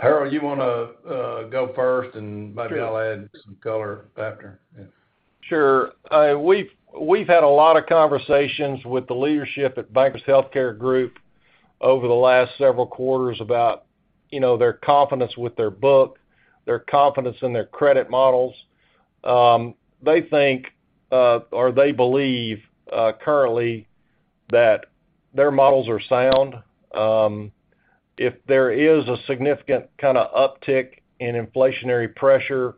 Harold, you want to go first, and maybe I'll add some color after. Yeah. Sure. We've had a lot of conversations with the leadership at Bankers Healthcare Group over the last several quarters about their confidence with their book, their confidence in their credit models. They think or they believe currently that their models are sound. If there is a significant kind of uptick in inflationary pressure,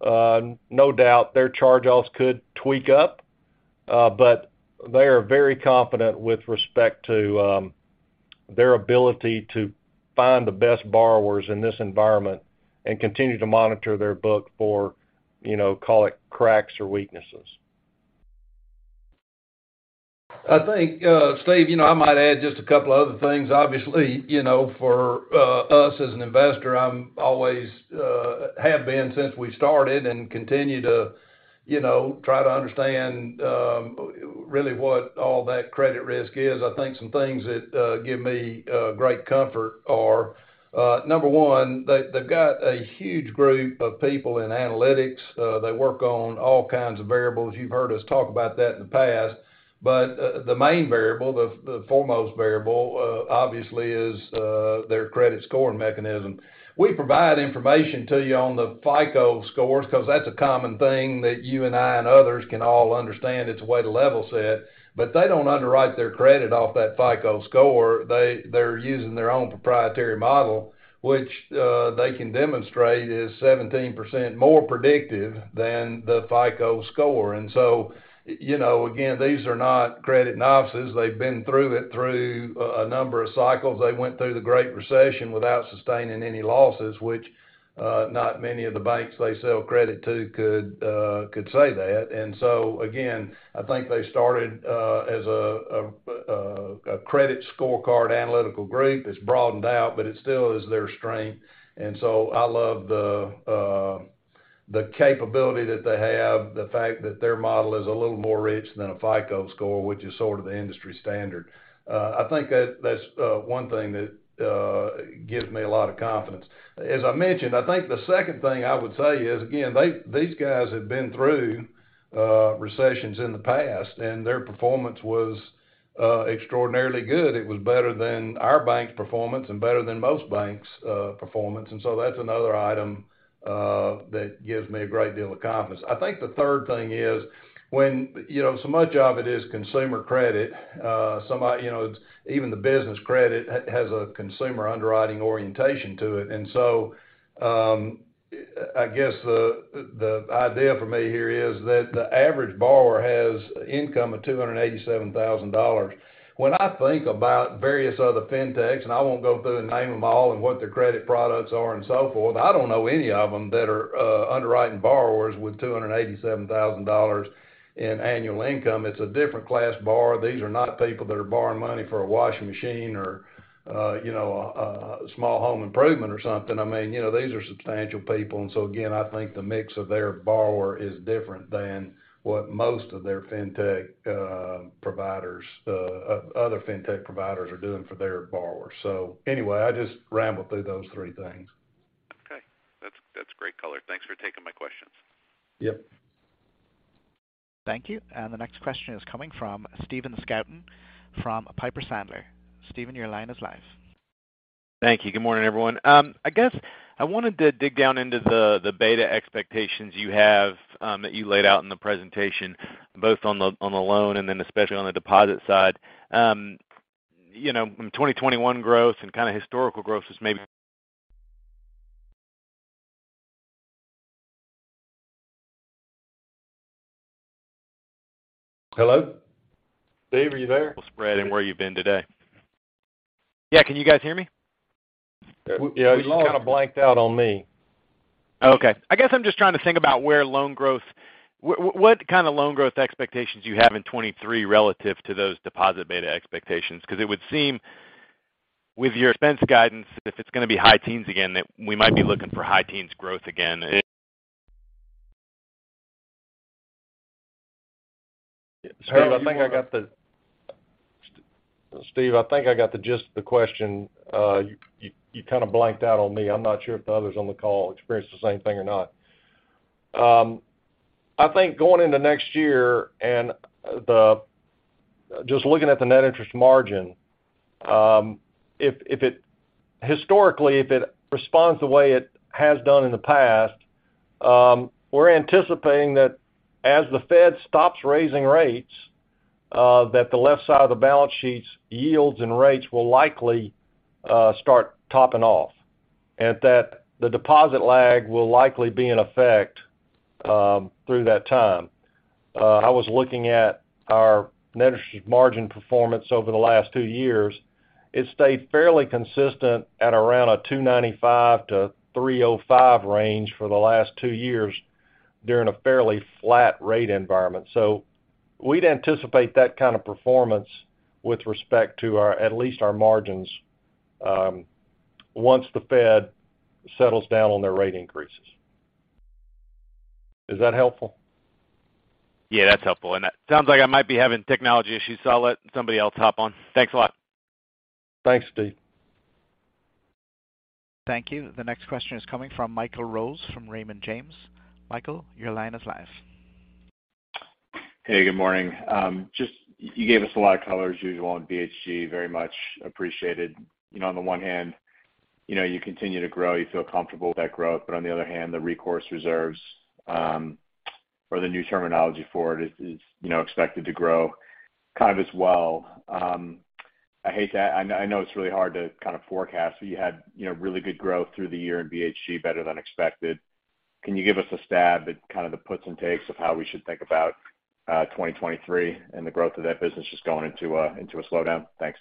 no doubt, their charge-offs could tick up. They are very confident with respect to their ability to find the best borrowers in this environment and continue to monitor their book for call it cracks or weaknesses. I think, Steven, you know, I might add just a couple of other things, obviously, you know, for us as an investor, I'm always have been since we started and continue to, you know, try to understand really what all that credit risk is. I think some things that give me great comfort are number one, they've got a huge group of people in analytics. They work on all kinds of variables. You've heard us talk about that in the past. The main variable, the foremost variable, obviously is their credit scoring mechanism. We provide information to you on the FICO scores because that's a common thing that you and I and others can all understand. It's a way to level set. They don't underwrite their credit off that FICO score. They're using their own proprietary model, which they can demonstrate is 17% more predictive than the FICO score. You know, again, these are not credit novices. They've been through it through a number of cycles. They went through the Great Recession without sustaining any losses, which not many of the banks they sell credit to could say that. Again, I think they started as a credit scorecard analytical group. It's broadened out, but it still is their strength. I love the capability that they have, the fact that their model is a little more rich than a FICO score, which is sort of the industry standard. I think that's one thing that gives me a lot of confidence. As I mentioned, I think the second thing I would say is, again, these guys have been through recessions in the past, and their performance was extraordinarily good. It was better than our bank's performance and better than most banks' performance. That's another item that gives me a great deal of confidence. I think the third thing is when, you know, so much of it is consumer credit, some of, you know, even the business credit has a consumer underwriting orientation to it. I guess the idea for me here is that the average borrower has income of $287,000. When I think about various other fintechs, and I won't go through the name of all and what their credit products are and so forth, I don't know any of them that are underwriting borrowers with $287,000 in annual income. It's a different class borrower. These are not people that are borrowing money for a washing machine or you know a small home improvement or something. I mean you know these are substantial people. Again, I think the mix of their borrower is different than what most of their fintech providers, other fintech providers are doing for their borrowers. Anyway, I just rambled through those three things. Okay. That's great color. Thanks for taking my questions. Yep. Thank you. The next question is coming from Stephen Scouten from Piper Sandler. Stephen, your line is live. Thank you. Good morning, everyone. I guess I wanted to dig down into the beta expectations you have that you laid out in the presentation, both on the loan and then especially on the deposit side. You know, in 2021 growth and kind of historical growth is maybe- Hello? Steve, are you there? Spread and where you've been today. Yeah, can you guys hear me? Yeah, you just kind of blanked out on me. Okay. I guess I'm just trying to think about where loan growth what kind of loan growth expectations you have in 2023 relative to those deposit beta expectations, because it would seem with your expense guidance, if it's going to be high teens again, that we might be looking for high teens growth again. Steve, I think I got the gist of the question. You kind of blanked out on me. I'm not sure if the others on the call experienced the same thing or not. I think going into next year just looking at the net interest margin, historically, if it responds the way it has done in the past, we're anticipating that as the Fed stops raising rates, that the left side of the balance sheets yields and rates will likely start topping off, and that the deposit lag will likely be in effect through that time. I was looking at our net interest margin performance over the last two years. It stayed fairly consistent at around a 2.95%-3.05% range for the last two years during a fairly flat rate environment. We'd anticipate that kind of performance with respect to our, at least our margins, once the Fed settles down on their rate increases. Is that helpful? Yeah, that's helpful. It sounds like I might be having technology issues, so I'll let somebody else hop on. Thanks a lot. Thanks, Steven. Thank you. The next question is coming from Michael Rose, from Raymond James. Michael, your line is live. Hey, good morning. Just, you gave us a lot of color as usual on BHG, very much appreciated. You know, on the one hand, you know, you continue to grow, you feel comfortable with that growth, but on the other hand, the recourse reserves, or the new terminology for it is, you know, expected to grow kind of as well. I know it's really hard to kind of forecast, but you had, you know, really good growth through the year in BHG, better than expected. Can you give us a stab at kind of the puts and takes of how we should think about 2023 and the growth of that business just going into a slowdown? Thanks.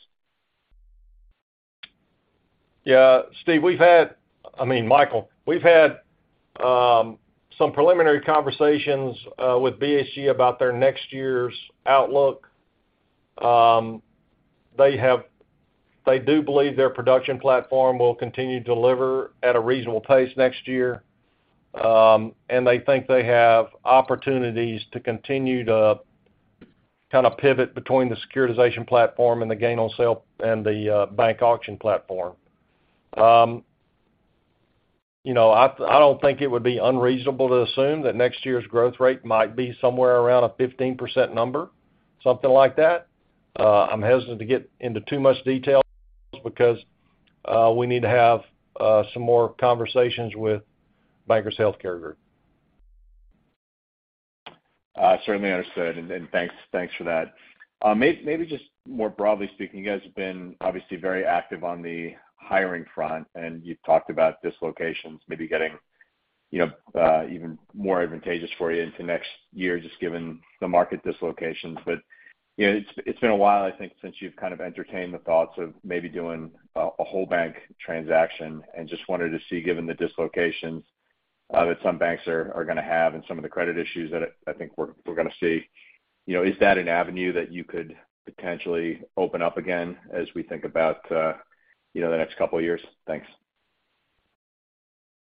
Yeah. I mean, Michael. We've had some preliminary conversations with BHG about their next year's outlook. They do believe their production platform will continue to deliver at a reasonable pace next year. They think they have opportunities to continue to kinda pivot between the securitization platform and the gain on sale and the bank auction platform. You know, I don't think it would be unreasonable to assume that next year's growth rate might be somewhere around a 15% number, something like that. I'm hesitant to get into too much detail because we need to have some more conversations with Bankers Healthcare Group. Certainly understood. Thanks for that. Maybe just more broadly speaking, you guys have been obviously very active on the hiring front, and you've talked about dislocations maybe getting, you know, even more advantageous for you into next year, just given the market dislocations. You know, it's been a while, I think, since you've kind of entertained the thoughts of maybe doing a whole bank transaction. Just wanted to see, given the dislocations, that some banks are gonna have and some of the credit issues that I think we're gonna see. You know, is that an avenue that you could potentially open up again as we think about, you know, the next couple of years? Thanks.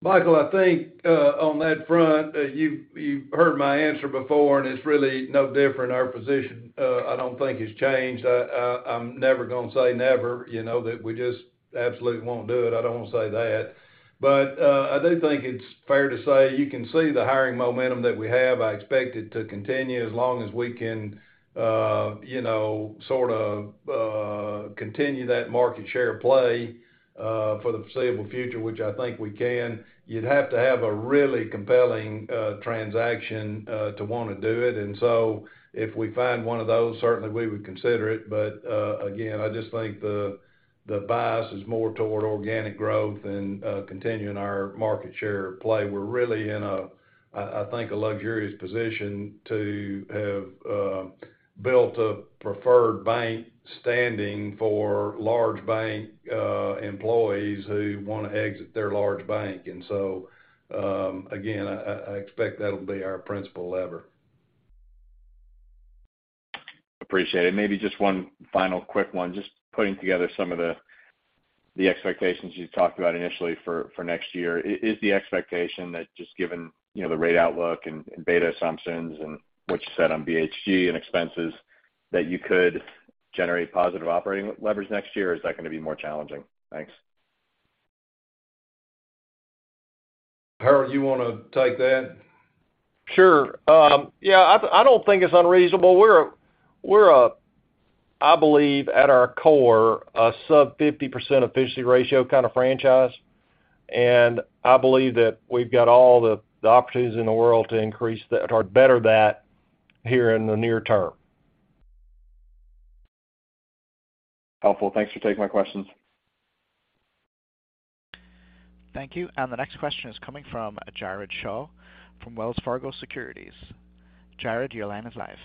Michael, I think on that front, you've heard my answer before, and it's really no different. Our position, I don't think has changed. I'm never gonna say never, you know, that we just absolutely won't do it. I don't wanna say that. I do think it's fair to say you can see the hiring momentum that we have. I expect it to continue as long as we can, you know, sort of continue that market share play for the foreseeable future, which I think we can. You'd have to have a really compelling transaction to wanna do it. If we find one of those, certainly we would consider it. Again, I just think the bias is more toward organic growth and continuing our market share play. We're really in a, I think, a luxurious position to have built a preferred bank standing for large bank employees who wanna exit their large bank. Again, I expect that'll be our principal lever. Appreciate it. Maybe just one final quick one, just putting together some of the expectations you talked about initially for next year. Is the expectation that just given, you know, the rate outlook and beta assumptions and what you said on BHG and expenses, that you could generate positive operating leverage next year? Or is that gonna be more challenging? Thanks. Harold, you wanna take that? Sure. Yeah, I don't think it's unreasonable. We're a, I believe, at our core, a sub 50% efficiency ratio kind of franchise, and I believe that we've got all the opportunities in the world to increase that or better that here in the near term. Helpful. Thanks for taking my questions. Thank you. The next question is coming from Jared Shaw from Wells Fargo Securities. Jared, your line is live.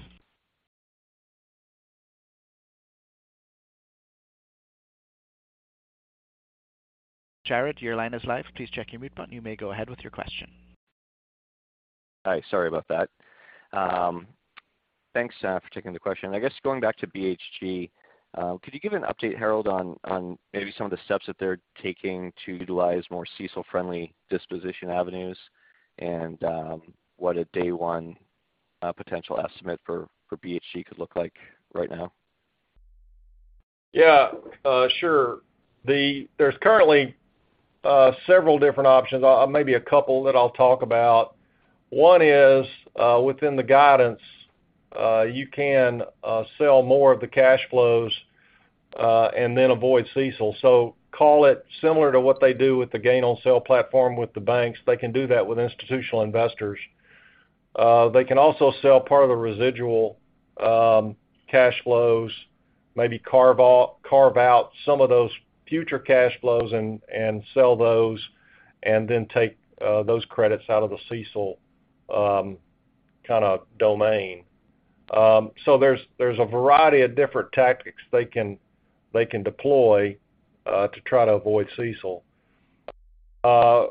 Please check your mute button. You may go ahead with your question. Hi, sorry about that. Thanks for taking the question. I guess going back to BHG, could you give an update, Harold, on maybe some of the steps that they're taking to utilize more CECL-friendly disposition avenues and what a day one potential estimate for BHG could look like right now? Yeah, sure. There's currently several different options, maybe a couple that I'll talk about. One is, within the guidance, you can sell more of the cash flows and then avoid CECL. So call it similar to what they do with the gain on sale platform with the banks, they can do that with institutional investors. They can also sell part of the residual cash flows, maybe carve out some of those future cash flows and sell those, and then take those credits out of the CECL kind of domain. So there's a variety of different tactics they can deploy to try to avoid CECL.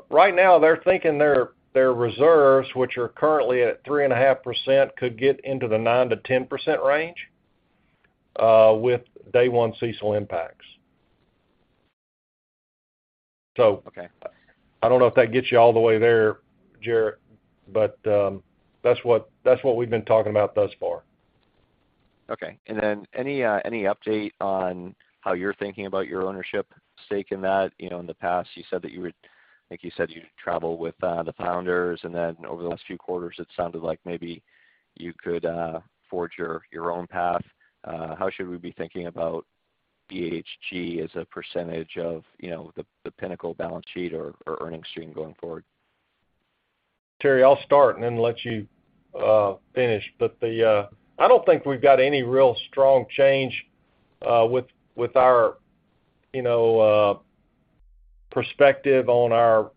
Right now they're thinking their reserves, which are currently at 3.5%, could get into the 9%-10% range with day one CECL impacts. Okay I don't know if that gets you all the way there, Jared, but that's what we've been talking about thus far. Okay. Any update on how you're thinking about your ownership stake in that? You know, in the past, you said that you would. I think you said you travel with the founders, and then over the last few quarters, it sounded like maybe you could forge your own path. How should we be thinking about BHG as a percentage of, you know, the Pinnacle balance sheet or earnings stream going forward? Terry, I'll start and then let you finish. I don't think we've got any really strong change with our, you know, perspective on our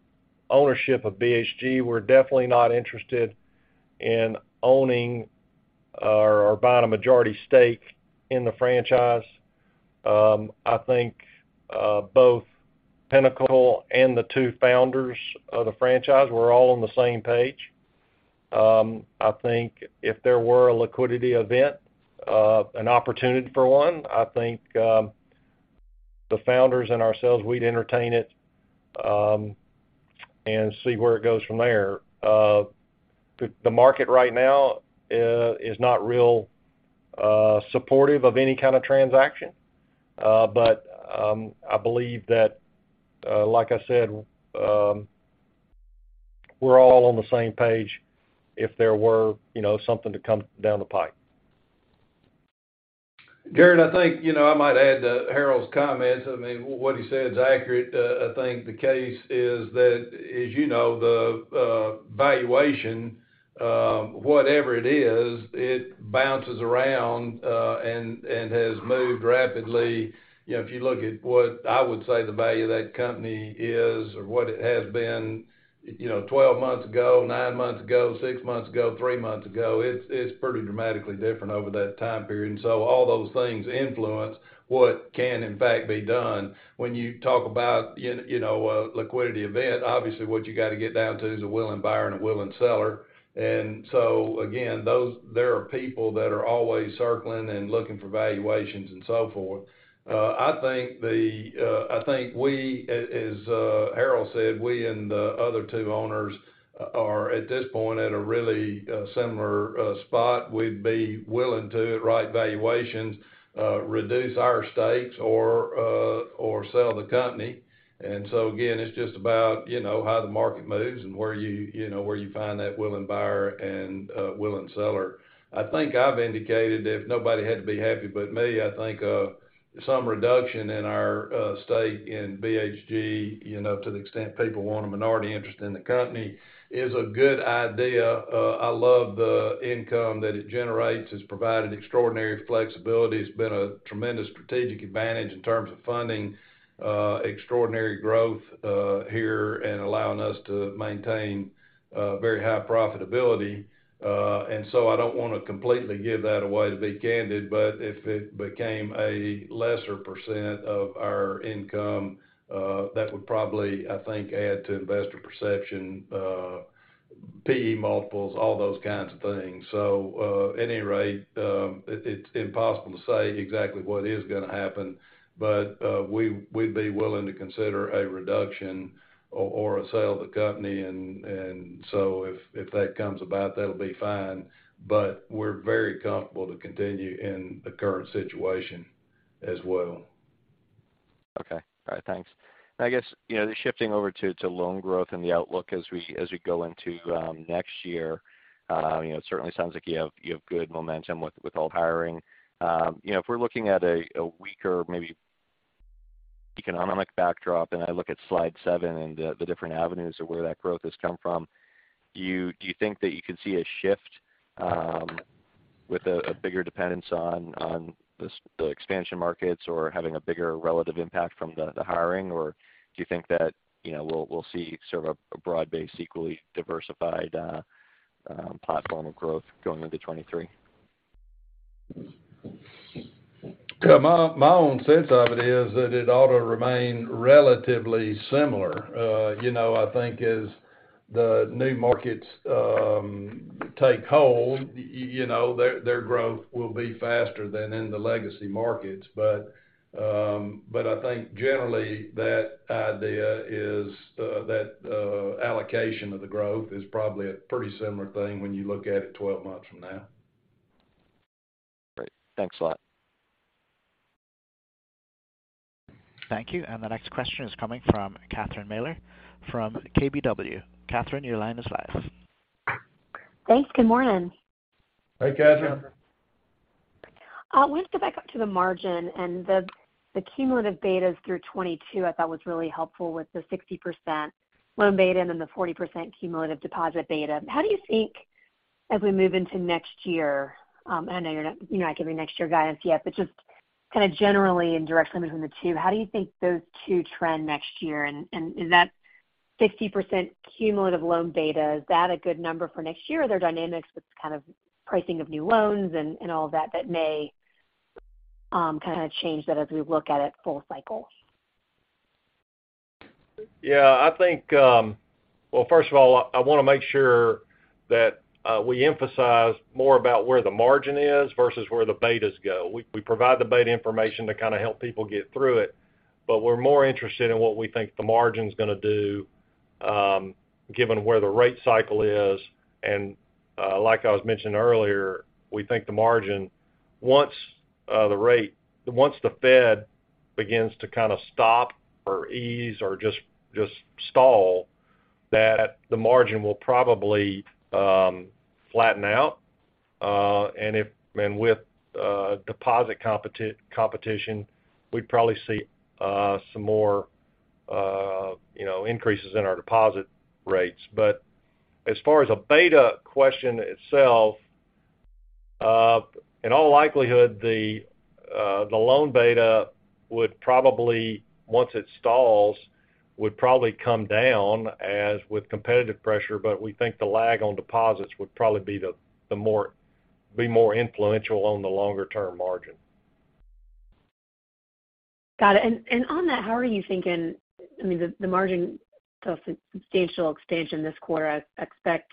ownership of BHG. We're definitely not interested in owning or buying a majority stake in the franchise. I think both Pinnacle and the two founders of the franchise, we're all on the same page. I think if there were a liquidity event, an opportunity for one, I think the founders and ourselves, we'd entertain it and see where it goes from there. The market right now is not really supportive of any kind of transaction. I believe that, like I said, we're all on the same page if there were, you know, something to come down the pipe. Jared, I think, you know, I might add to Harold's comments. I mean, what he said is accurate. I think the case is that, as you know, the valuation, whatever it is, it bounces around and has moved rapidly. You know, if you look at what I would say the value of that company is or what it has been, you know, 12 months ago, nine months ago, six months ago, three months ago, it's pretty dramatically different over that time period. All those things influence what can in fact be done. When you talk about, you know, a liquidity event, obviously, what you gotta get down to is a willing buyer and a willing seller. Again, those. There are people that are always circling and looking for valuations and so forth I think we, as Harold said, we and the other two owners are, at this point, at a really similar spot. We'd be willing to, at the right valuations, reduce our stakes or sell the company. Again, it's just about, you know, how the market moves and where you know, find that willing buyer and a willing seller. I think I've indicated that if nobody had to be happy but me, I think some reduction in our stake in BHG, you know, to the extent people want a minority interest in the company, is a good idea. I love the income that it generates. It's provided extraordinary flexibility. It's been a tremendous strategic advantage in terms of funding, extraordinary growth, here and allowing us to maintain, very high profitability. I don't wanna completely give that away, to be candid, but if it became a lesser percent of our income, that would probably, I think, add to investor perception, PE multiples, all those kinds of things. Anyway, it's impossible to say exactly what is gonna happen, but we'd be willing to consider a reduction or a sale of the company. If that comes about, that'll be fine. We're very comfortable to continue in the current situation as well. Okay. All right. Thanks. I guess, you know, shifting over to loan growth and the outlook as we go into next year, you know, it certainly sounds like you have good momentum with all the hiring. You know, if we're looking at a weaker, maybe economic backdrop, and I look at slide 7 and the different avenues of where that growth has come from, do you think that you could see a shift with a bigger dependence on the expansion markets or having a bigger relative impact from the hiring, or do you think that, you know, we'll see sort of a broad-based, equally diversified platform of growth going into 2023? Yeah. My own sense of it is that it ought to remain relatively similar. You know, I think as the new markets take hold, you know, their growth will be faster than in the legacy markets. I think generally that idea is that allocation of the growth is probably a pretty similar thing when you look at it 12 months from now. Great. Thanks a lot. Thank you. The next question is coming from Catherine Mealor from KBW. Catherine, your line is live. Thanks. Good morning. Hi, Catherine. Wanted to go back up to the margin and the cumulative betas through 2022, I thought, was really helpful with the 60% loan beta and then the 40% cumulative deposit beta. How do you think as we move into next year, I know you're not giving next year guidance yet, but just kinda generally and directly between the two, how do you think those two trend next year? And is that 60% cumulative loan beta, is that a good number for next year? Are there dynamics with kind of pricing of new loans and all of that that may kinda change that as we look at it full cycle? Yeah. I think. Well, first of all, I want to make sure that we emphasize more about where the margin is versus where the betas go. We provide the beta information to kind of help people get through it, but we're more interested in what we think the margin's going to do, given where the rate cycle is. Like I was mentioning earlier, we think the margin will probably flatten out once the Fed begins to kind of stop or ease or just stall. With deposit competition, we'd probably see some more, you know, increases in our deposit rates. As far as a beta question itself, in all likelihood, the loan beta would probably, once it stalls, come down as with competitive pressure, but we think the lag on deposits would probably be the more influential on the longer-term margin. Got it. On that, how are you thinking, I mean, the margin saw substantial extension this quarter. I expect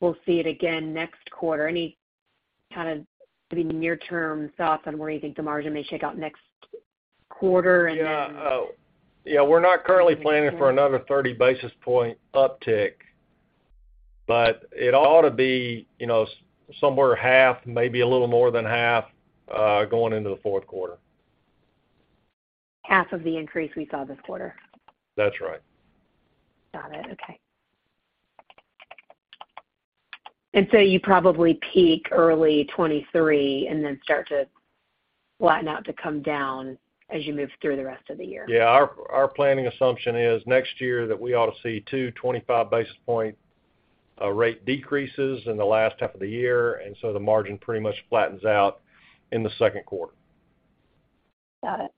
we'll see it again next quarter. Any kind of, I mean, near-term thoughts on where you think the margin may shake out next quarter and then. Yeah, we're not currently planning for another 30 basis point uptick, but it ought to be, you know, somewhere half, maybe a little more than half, going into the fourth quarter. Half of the increase we saw this quarter? That's right. Got it. Okay. You probably peak early 2023 and then start to flatten out to come down as you move through the rest of the year. Yeah. Our planning assumption is next year that we ought to see 2.5 basis points rate decreases in the last half of the year, and so the margin pretty much flattens out in the second quarter. Got it.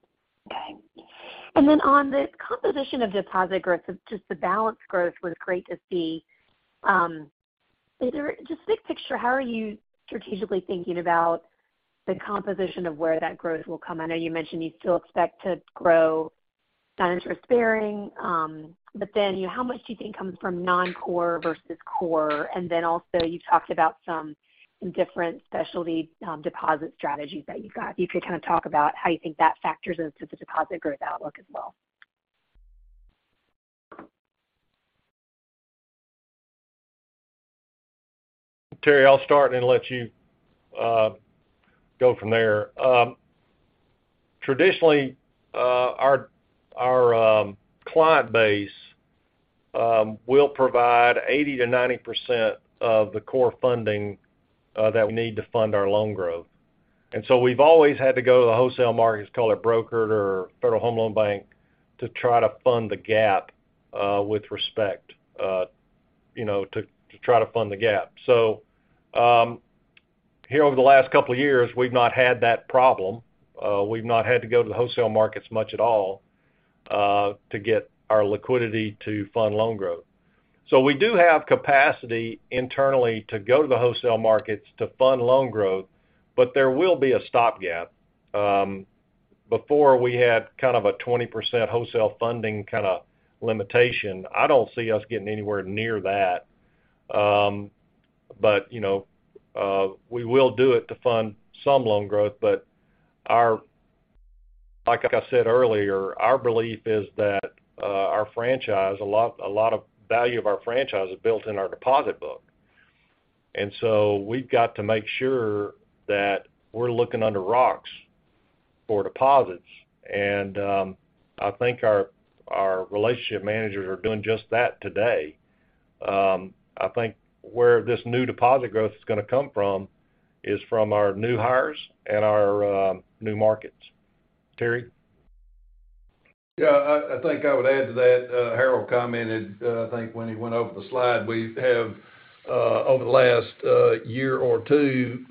Okay. On the composition of deposit growth, just the balance growth was great to see. Just big picture, how are you strategically thinking about the composition of where that growth will come? I know you mentioned you still expect to grow standard deposits, but then how much do you think comes from non-core versus core? Also, you talked about some different specialty deposit strategies that you've got. If you could kind of talk about how you think that factors into the deposit growth outlook as well. Terry, I'll start and let you go from there. Traditionally, our client base will provide 80%-90% of the core funding that we need to fund our loan growth. We've always had to go to the wholesale markets, call it brokered or Federal Home Loan Bank, to try to fund the gap, with respect, you know. Here over the last couple of years, we've not had that problem. We've not had to go to the wholesale markets much at all to get our liquidity to fund loan growth. We do have capacity internally to go to the wholesale markets to fund loan growth, but there will be a stopgap. Before we had kind of a 20% wholesale funding kind of limitation. I don't see us getting anywhere near that. You know, we will do it to fund some loan growth. Our, like I said earlier, our belief is that our franchise, a lot of value of our franchise is built in our deposit book. We've got to make sure that we're looking under rocks for deposits. I think our relationship managers are doing just that today. I think where this new deposit growth is going to come from is from our new hires and our new markets. Terry? Yeah. I think I would add to that. Harold commented, I think when he went over the slide, we have over the last year or two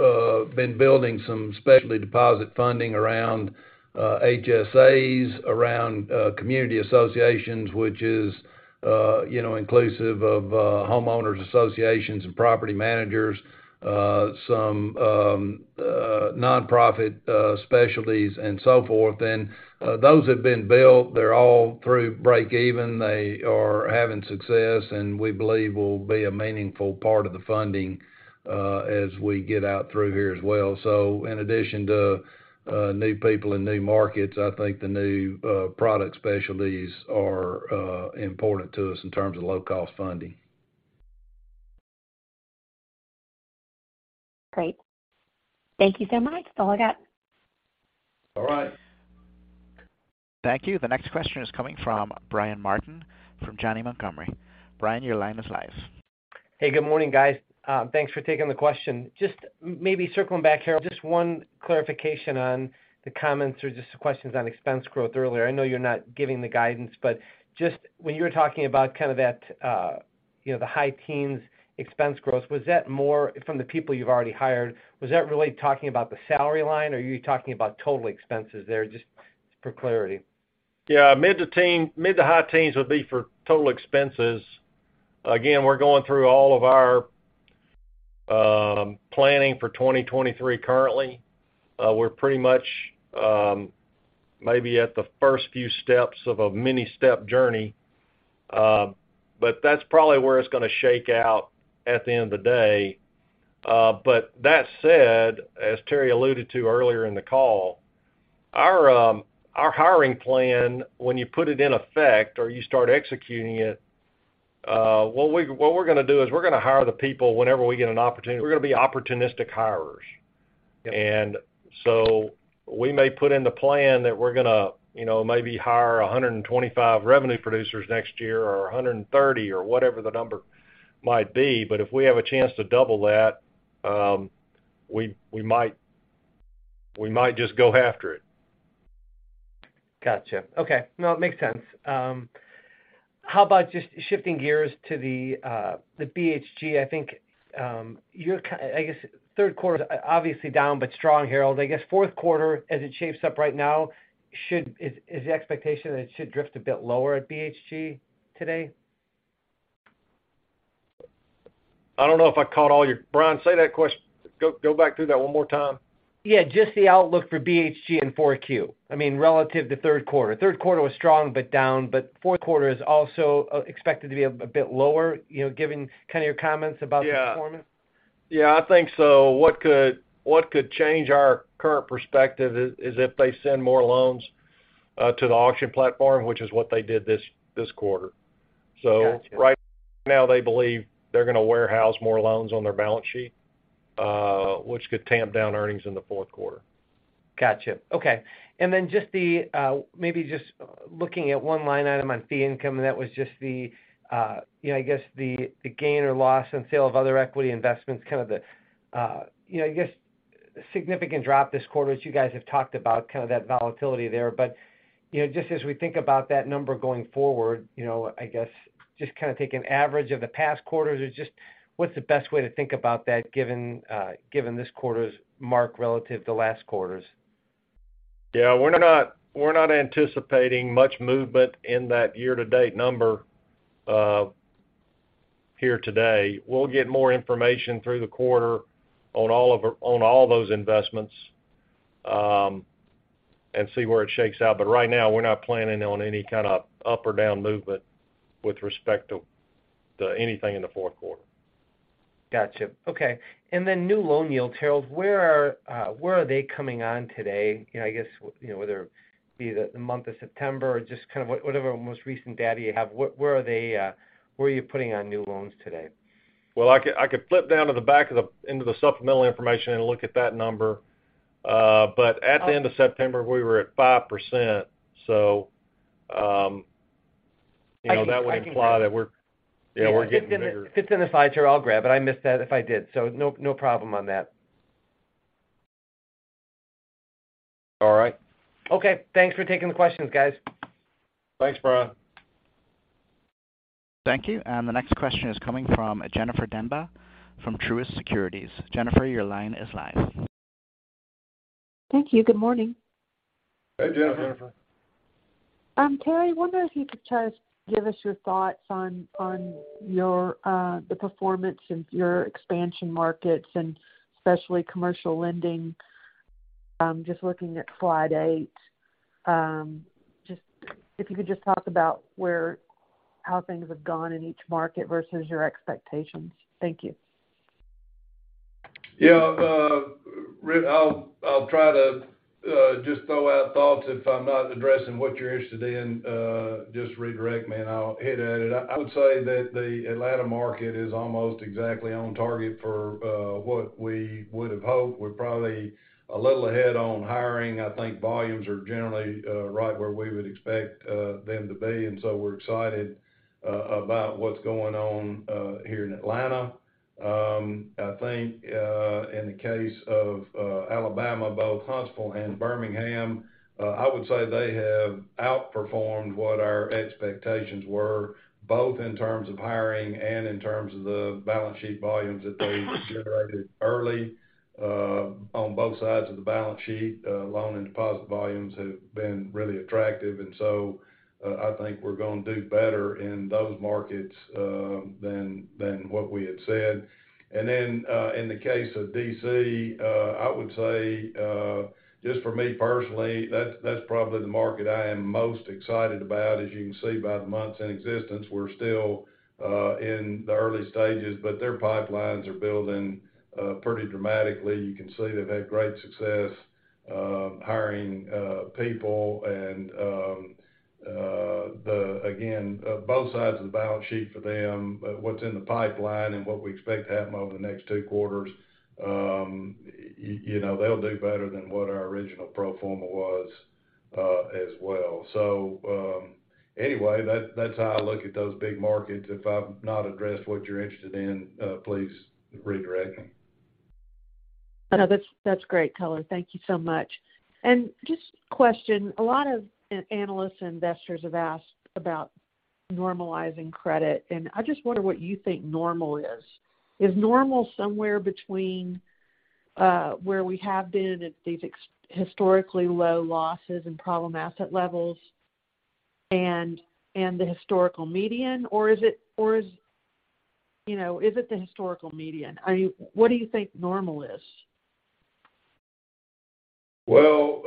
been building some specialty deposit funding around HSAs, around community associations, which is you know inclusive of homeowners associations and property managers, some nonprofit specialties and so forth. Those have been built. They're all through breakeven. They are having success, and we believe will be a meaningful part of the funding as we get out through here as well. In addition to new people and new markets, I think the new product specialties are important to us in terms of low-cost funding. Great. Thank you so much. That's all I got. All right. Thank you. The next question is coming from Brian Martin from Janney Montgomery. Brian, your line is live. Hey, good morning, guys. Thanks for taking the question. Just maybe circling back, Harold, just one clarification on the comments or just the questions on expense growth earlier. I know you're not giving the guidance, but just when you were talking about kind of that, you know, the high teens expense growth, was that more from the people you've already hired? Was that really talking about the salary line, or are you talking about total expenses there? Just for clarity. Yeah, mid- to high teens would be for total expenses. Again, we're going through all of our planning for 2023 currently. We're pretty much maybe at the first few steps of a multi-step journey. That's probably where it's gonna shake out at the end of the day. That said, as Terry alluded to earlier in the call, our hiring plan, when you put it in effect or you start executing it, what we're gonna do is we're gonna hire the people whenever we get an opportunity. We're gonna be opportunistic hirers. We may put in the plan that we're gonna, you know, maybe hire 125 revenue producers next year or 130 or whatever the number might be, but if we have a chance to double that, we might just go after it. Gotcha. Okay. No, it makes sense. How about just shifting gears to the BHG? I think, I guess, third quarter, obviously down but strong, Harold. I guess fourth quarter, as it shapes up right now, is the expectation that it should drift a bit lower at BHG today? I don't know if I caught all your, Brian. Say that. Go back through that one more time. Yeah, just the outlook for BHG in four Q, I mean, relative to third quarter. Third quarter was strong but down, but fourth quarter is also expected to be a bit lower, you know, given kind of your comments about the performance. Yeah. Yeah, I think so. What could change our current perspective is if they send more loans to the auction platform, which is what they did this quarter. Gotcha. Right now, they believe they're gonna warehouse more loans on their balance sheet, which could tamp down earnings in the fourth quarter. Gotcha. Okay. Just the, maybe just looking at one line item on fee income, and that was just the, you know, I guess, the gain or loss on sale of other equity investments, kind of, you know, I guess, significant drop this quarter, which you guys have talked about, kind of that volatility there. You know, just as we think about that number going forward, you know, I guess, just kind of take an average of the past quarters or just what's the best way to think about that given this quarter's mark relative to last quarter's? Yeah. We're not anticipating much movement in that year-to-date number here today. We'll get more information through the quarter on all those investments and see where it shakes out. Right now, we're not planning on any kind of up or down movement with respect to anything in the fourth quarter. Gotcha. Okay. New loan yields, Harold, where are they coming on today? You know, I guess, you know, whether it be the month of September or just kind of whatever most recent data you have, where are you putting on new loans today? Well, I could flip down to the back into the supplemental information and look at that number. At the end of September, we were at 5% so, you know, that would imply that we're- I can grab it. Yeah, we're getting bigger. If it's in the slide, Terry, I'll grab it. I missed that if I did, so no problem on that. All right. Okay. Thanks for taking the questions, guys. Thanks, Brian. Thank you. The next question is coming from Jennifer Demba from Truist Securities. Jennifer, your line is live. Thank you. Good morning. Hey, Jennifer. Hey, Jennifer. Terry, I wonder if you could just give us your thoughts on the performance of your expansion markets and especially commercial lending. Just looking at slide 8, just if you could just talk about how things have gone in each market versus your expectations. Thank you. Yeah. I'll try to just throw out thoughts. If I'm not addressing what you're interested in, just redirect me and I'll hit at it. I would say that the Atlanta market is almost exactly on target for what we would have hoped. We're probably a little ahead on hiring. I think volumes are generally right where we would expect them to be. We're excited about what's going on here in Atlanta. I think in the case of Alabama, both Huntsville and Birmingham, I would say they have outperformed what our expectations were, both in terms of hiring and in terms of the balance sheet volumes that they generated early on both sides of the balance sheet. Loan and deposit volumes have been really attractive, and so I think we're gonna do better in those markets than what we had said. In the case of D.C., I would say just for me personally, that's probably the market I am most excited about. As you can see by the months in existence, we're still in the early stages, but their pipelines are building pretty dramatically. You can see they've had great success hiring people. Again, both sides of the balance sheet for them, what's in the pipeline and what we expect to happen over the next two quarters, you know, they'll do better than what our original pro forma was, as well. Anyway, that's how I look at those big markets. If I've not addressed what you're interested in, please redirect me. No, that's great, Harold. Thank you so much. Just a question, a lot of analysts and investors have asked about normalizing credit, and I just wonder what you think normal is. Is normal somewhere between where we have been at these historically low losses and problem asset levels, and the historical median, or is, you know, is it the historical median? What do you think normal is? Well,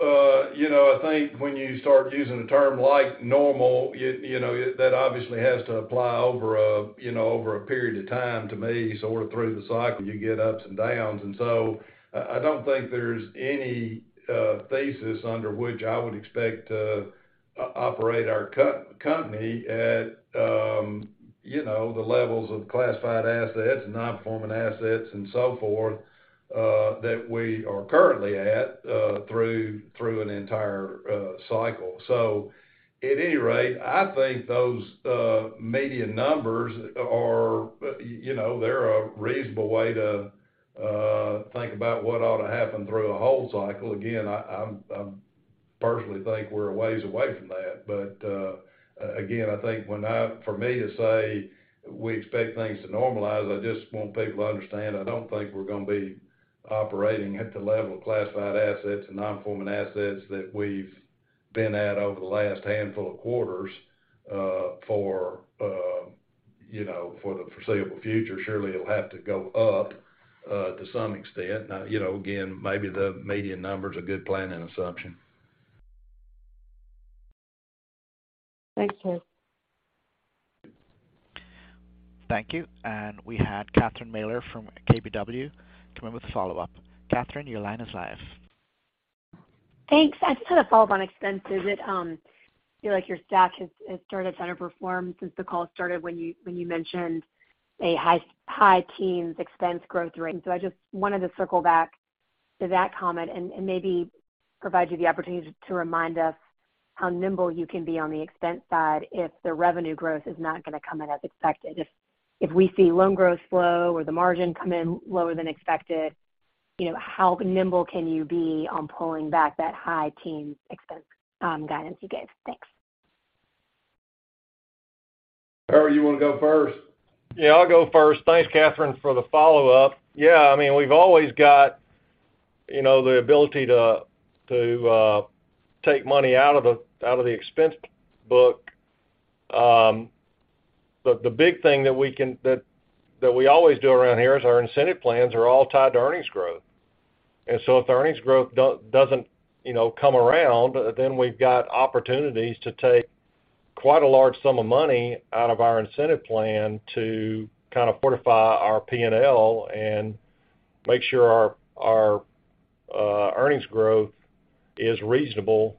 you know, I think when you start using a term like normal, you know, that obviously has to apply over, you know, over a period of time to me. Sort of through the cycle, you get ups and downs. I don't think there's any thesis under which I would expect to operate our company at, you know, the levels of classified assets, non-performing assets, and so forth, that we are currently at, through an entire cycle. At any rate, I think those median numbers are, you know, they're a reasonable way to think about what ought to happen through a whole cycle. Again, I personally think we're a ways away from that. Again, I think for me to say we expect things to normalize, I just want people to understand, I don't think we're gonna be operating at the level of classified assets and non-performing assets that we've been at over the last handful of quarters, you know, for the foreseeable future. Surely, it'll have to go up to some extent. Now, you know, again, maybe the median number is a good planning assumption. Thanks, Terry. Thank you. We had Catherine Mealor from KBW come in with a follow-up. Catherine, your line is live. Thanks. I just had a follow-up on expenses. It feels like your stock has started to underperform since the call started when you mentioned a high teens expense growth rate. I just wanted to circle back to that comment and maybe provide you the opportunity to remind us how nimble you can be on the expense side if the revenue growth is not gonna come in as expected. If we see loan growth slow or the margin come in lower than expected, you know, how nimble can you be on pulling back that high teen expense guidance you gave? Thanks. Harold, you wanna go first? Yeah, I'll go first. Thanks, Catherine, for the follow-up. Yeah, I mean, we've always got, you know, the ability to take money out of the expense book. The big thing that we always do around here is our incentive plans are all tied to earnings growth. If the earnings growth doesn't, you know, come around, then we've got opportunities to take quite a large sum of money out of our incentive plan to kind of fortify our P&L and make sure our earnings growth is reasonable,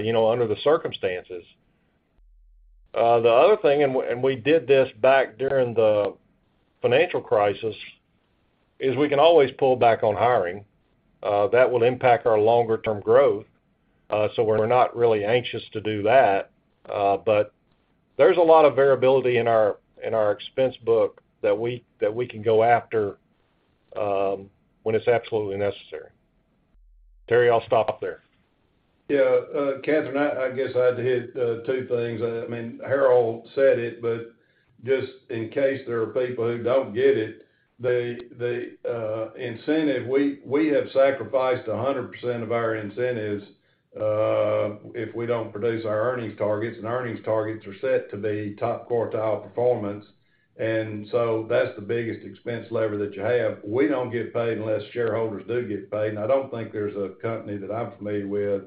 you know, under the circumstances. The other thing we did this back during the financial crisis is we can always pull back on hiring that will impact our longer-term growth. We're not really anxious to do that, but there's a lot of variability in our expense book that we can go after when it's absolutely necessary. Terry, I'll stop there. Yeah. Katherine, I guess I had to hit two things. I mean, Harold said it, but just in case there are people who don't get it. The incentive, we have sacrificed 100% of our incentives if we don't produce our earnings targets, and earnings targets are set to be top quartile performance. That's the biggest expense lever that you have. We don't get paid unless shareholders do get paid, and I don't think there's a company that I'm familiar with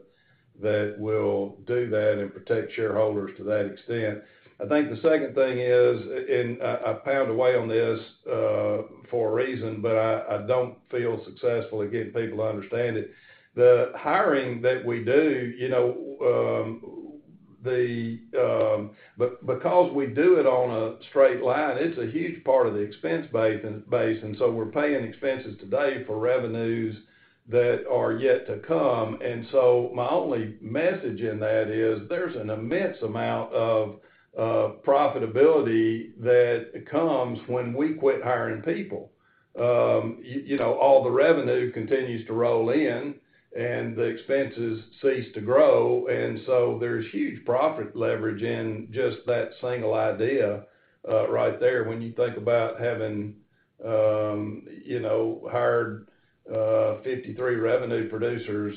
that will do that and protect shareholders to that extent. I think the second thing is, and I pound away on this for a reason, but I don't feel successful at getting people to understand it. The hiring that we do, you know, the... Because we do it on a straight line, it's a huge part of the expense base, and so we're paying expenses today for revenues that are yet to come. My only message in that is there's an immense amount of profitability that comes when we quit hiring people. You know, all the revenue continues to roll in and the expenses cease to grow. There's huge profit leverage in just that single idea right there when you think about having you know, hired 53 revenue producers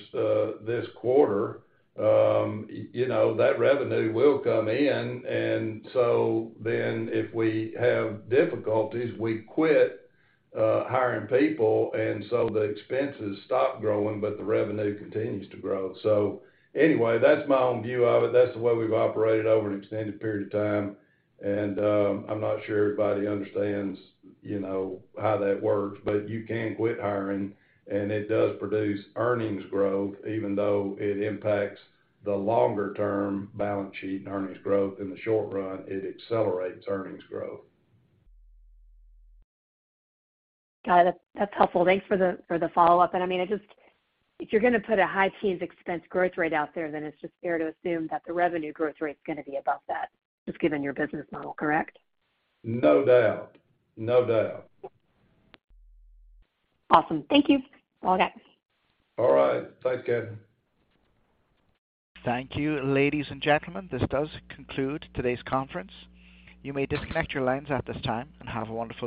this quarter. You know, that revenue will come in. If we have difficulties, we quit hiring people, and so the expenses stop growing, but the revenue continues to grow. Anyway, that's my own view of it. That's the way we've operated over an extended period of time. I'm not sure everybody understands, you know, how that works. You can quit hiring, and it does produce earnings growth, even though it impacts the longer term balance sheet and earnings growth. In the short run, it accelerates earnings growth. Got it. That's helpful. Thanks for the follow-up. I mean, if you're gonna put a high-teens expense growth rate out there, then it's just fair to assume that the revenue growth rate is gonna be above that, just given your business model, correct? No doubt. No doubt. Awesome. Thank you. All good. All right. Thanks, Catherine. Thank you, ladies and gentlemen. This does conclude today's conference. You may disconnect your lines at this time, and have a wonderful day.